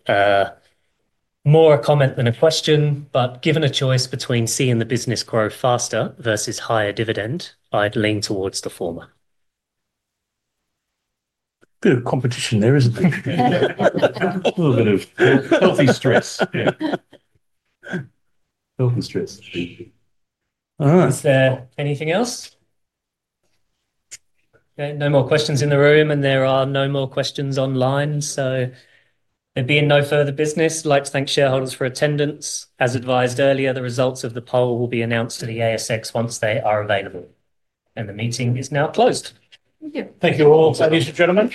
More a comment than a question, but given a choice between seeing the business grow faster versus higher dividend, I'd lean towards the former. There's competition there, isn't there? A little bit of healthy stress. Healthy stress. All right. Is there anything else? Okay. No more questions in the room, and there are no more questions online. There being no further business, I'd like to thank shareholders for attendance. As advised earlier, the results of the poll will be announced to the ASX once they are available. The meeting is now closed. Thank you. Thank you all, ladies and gentlemen.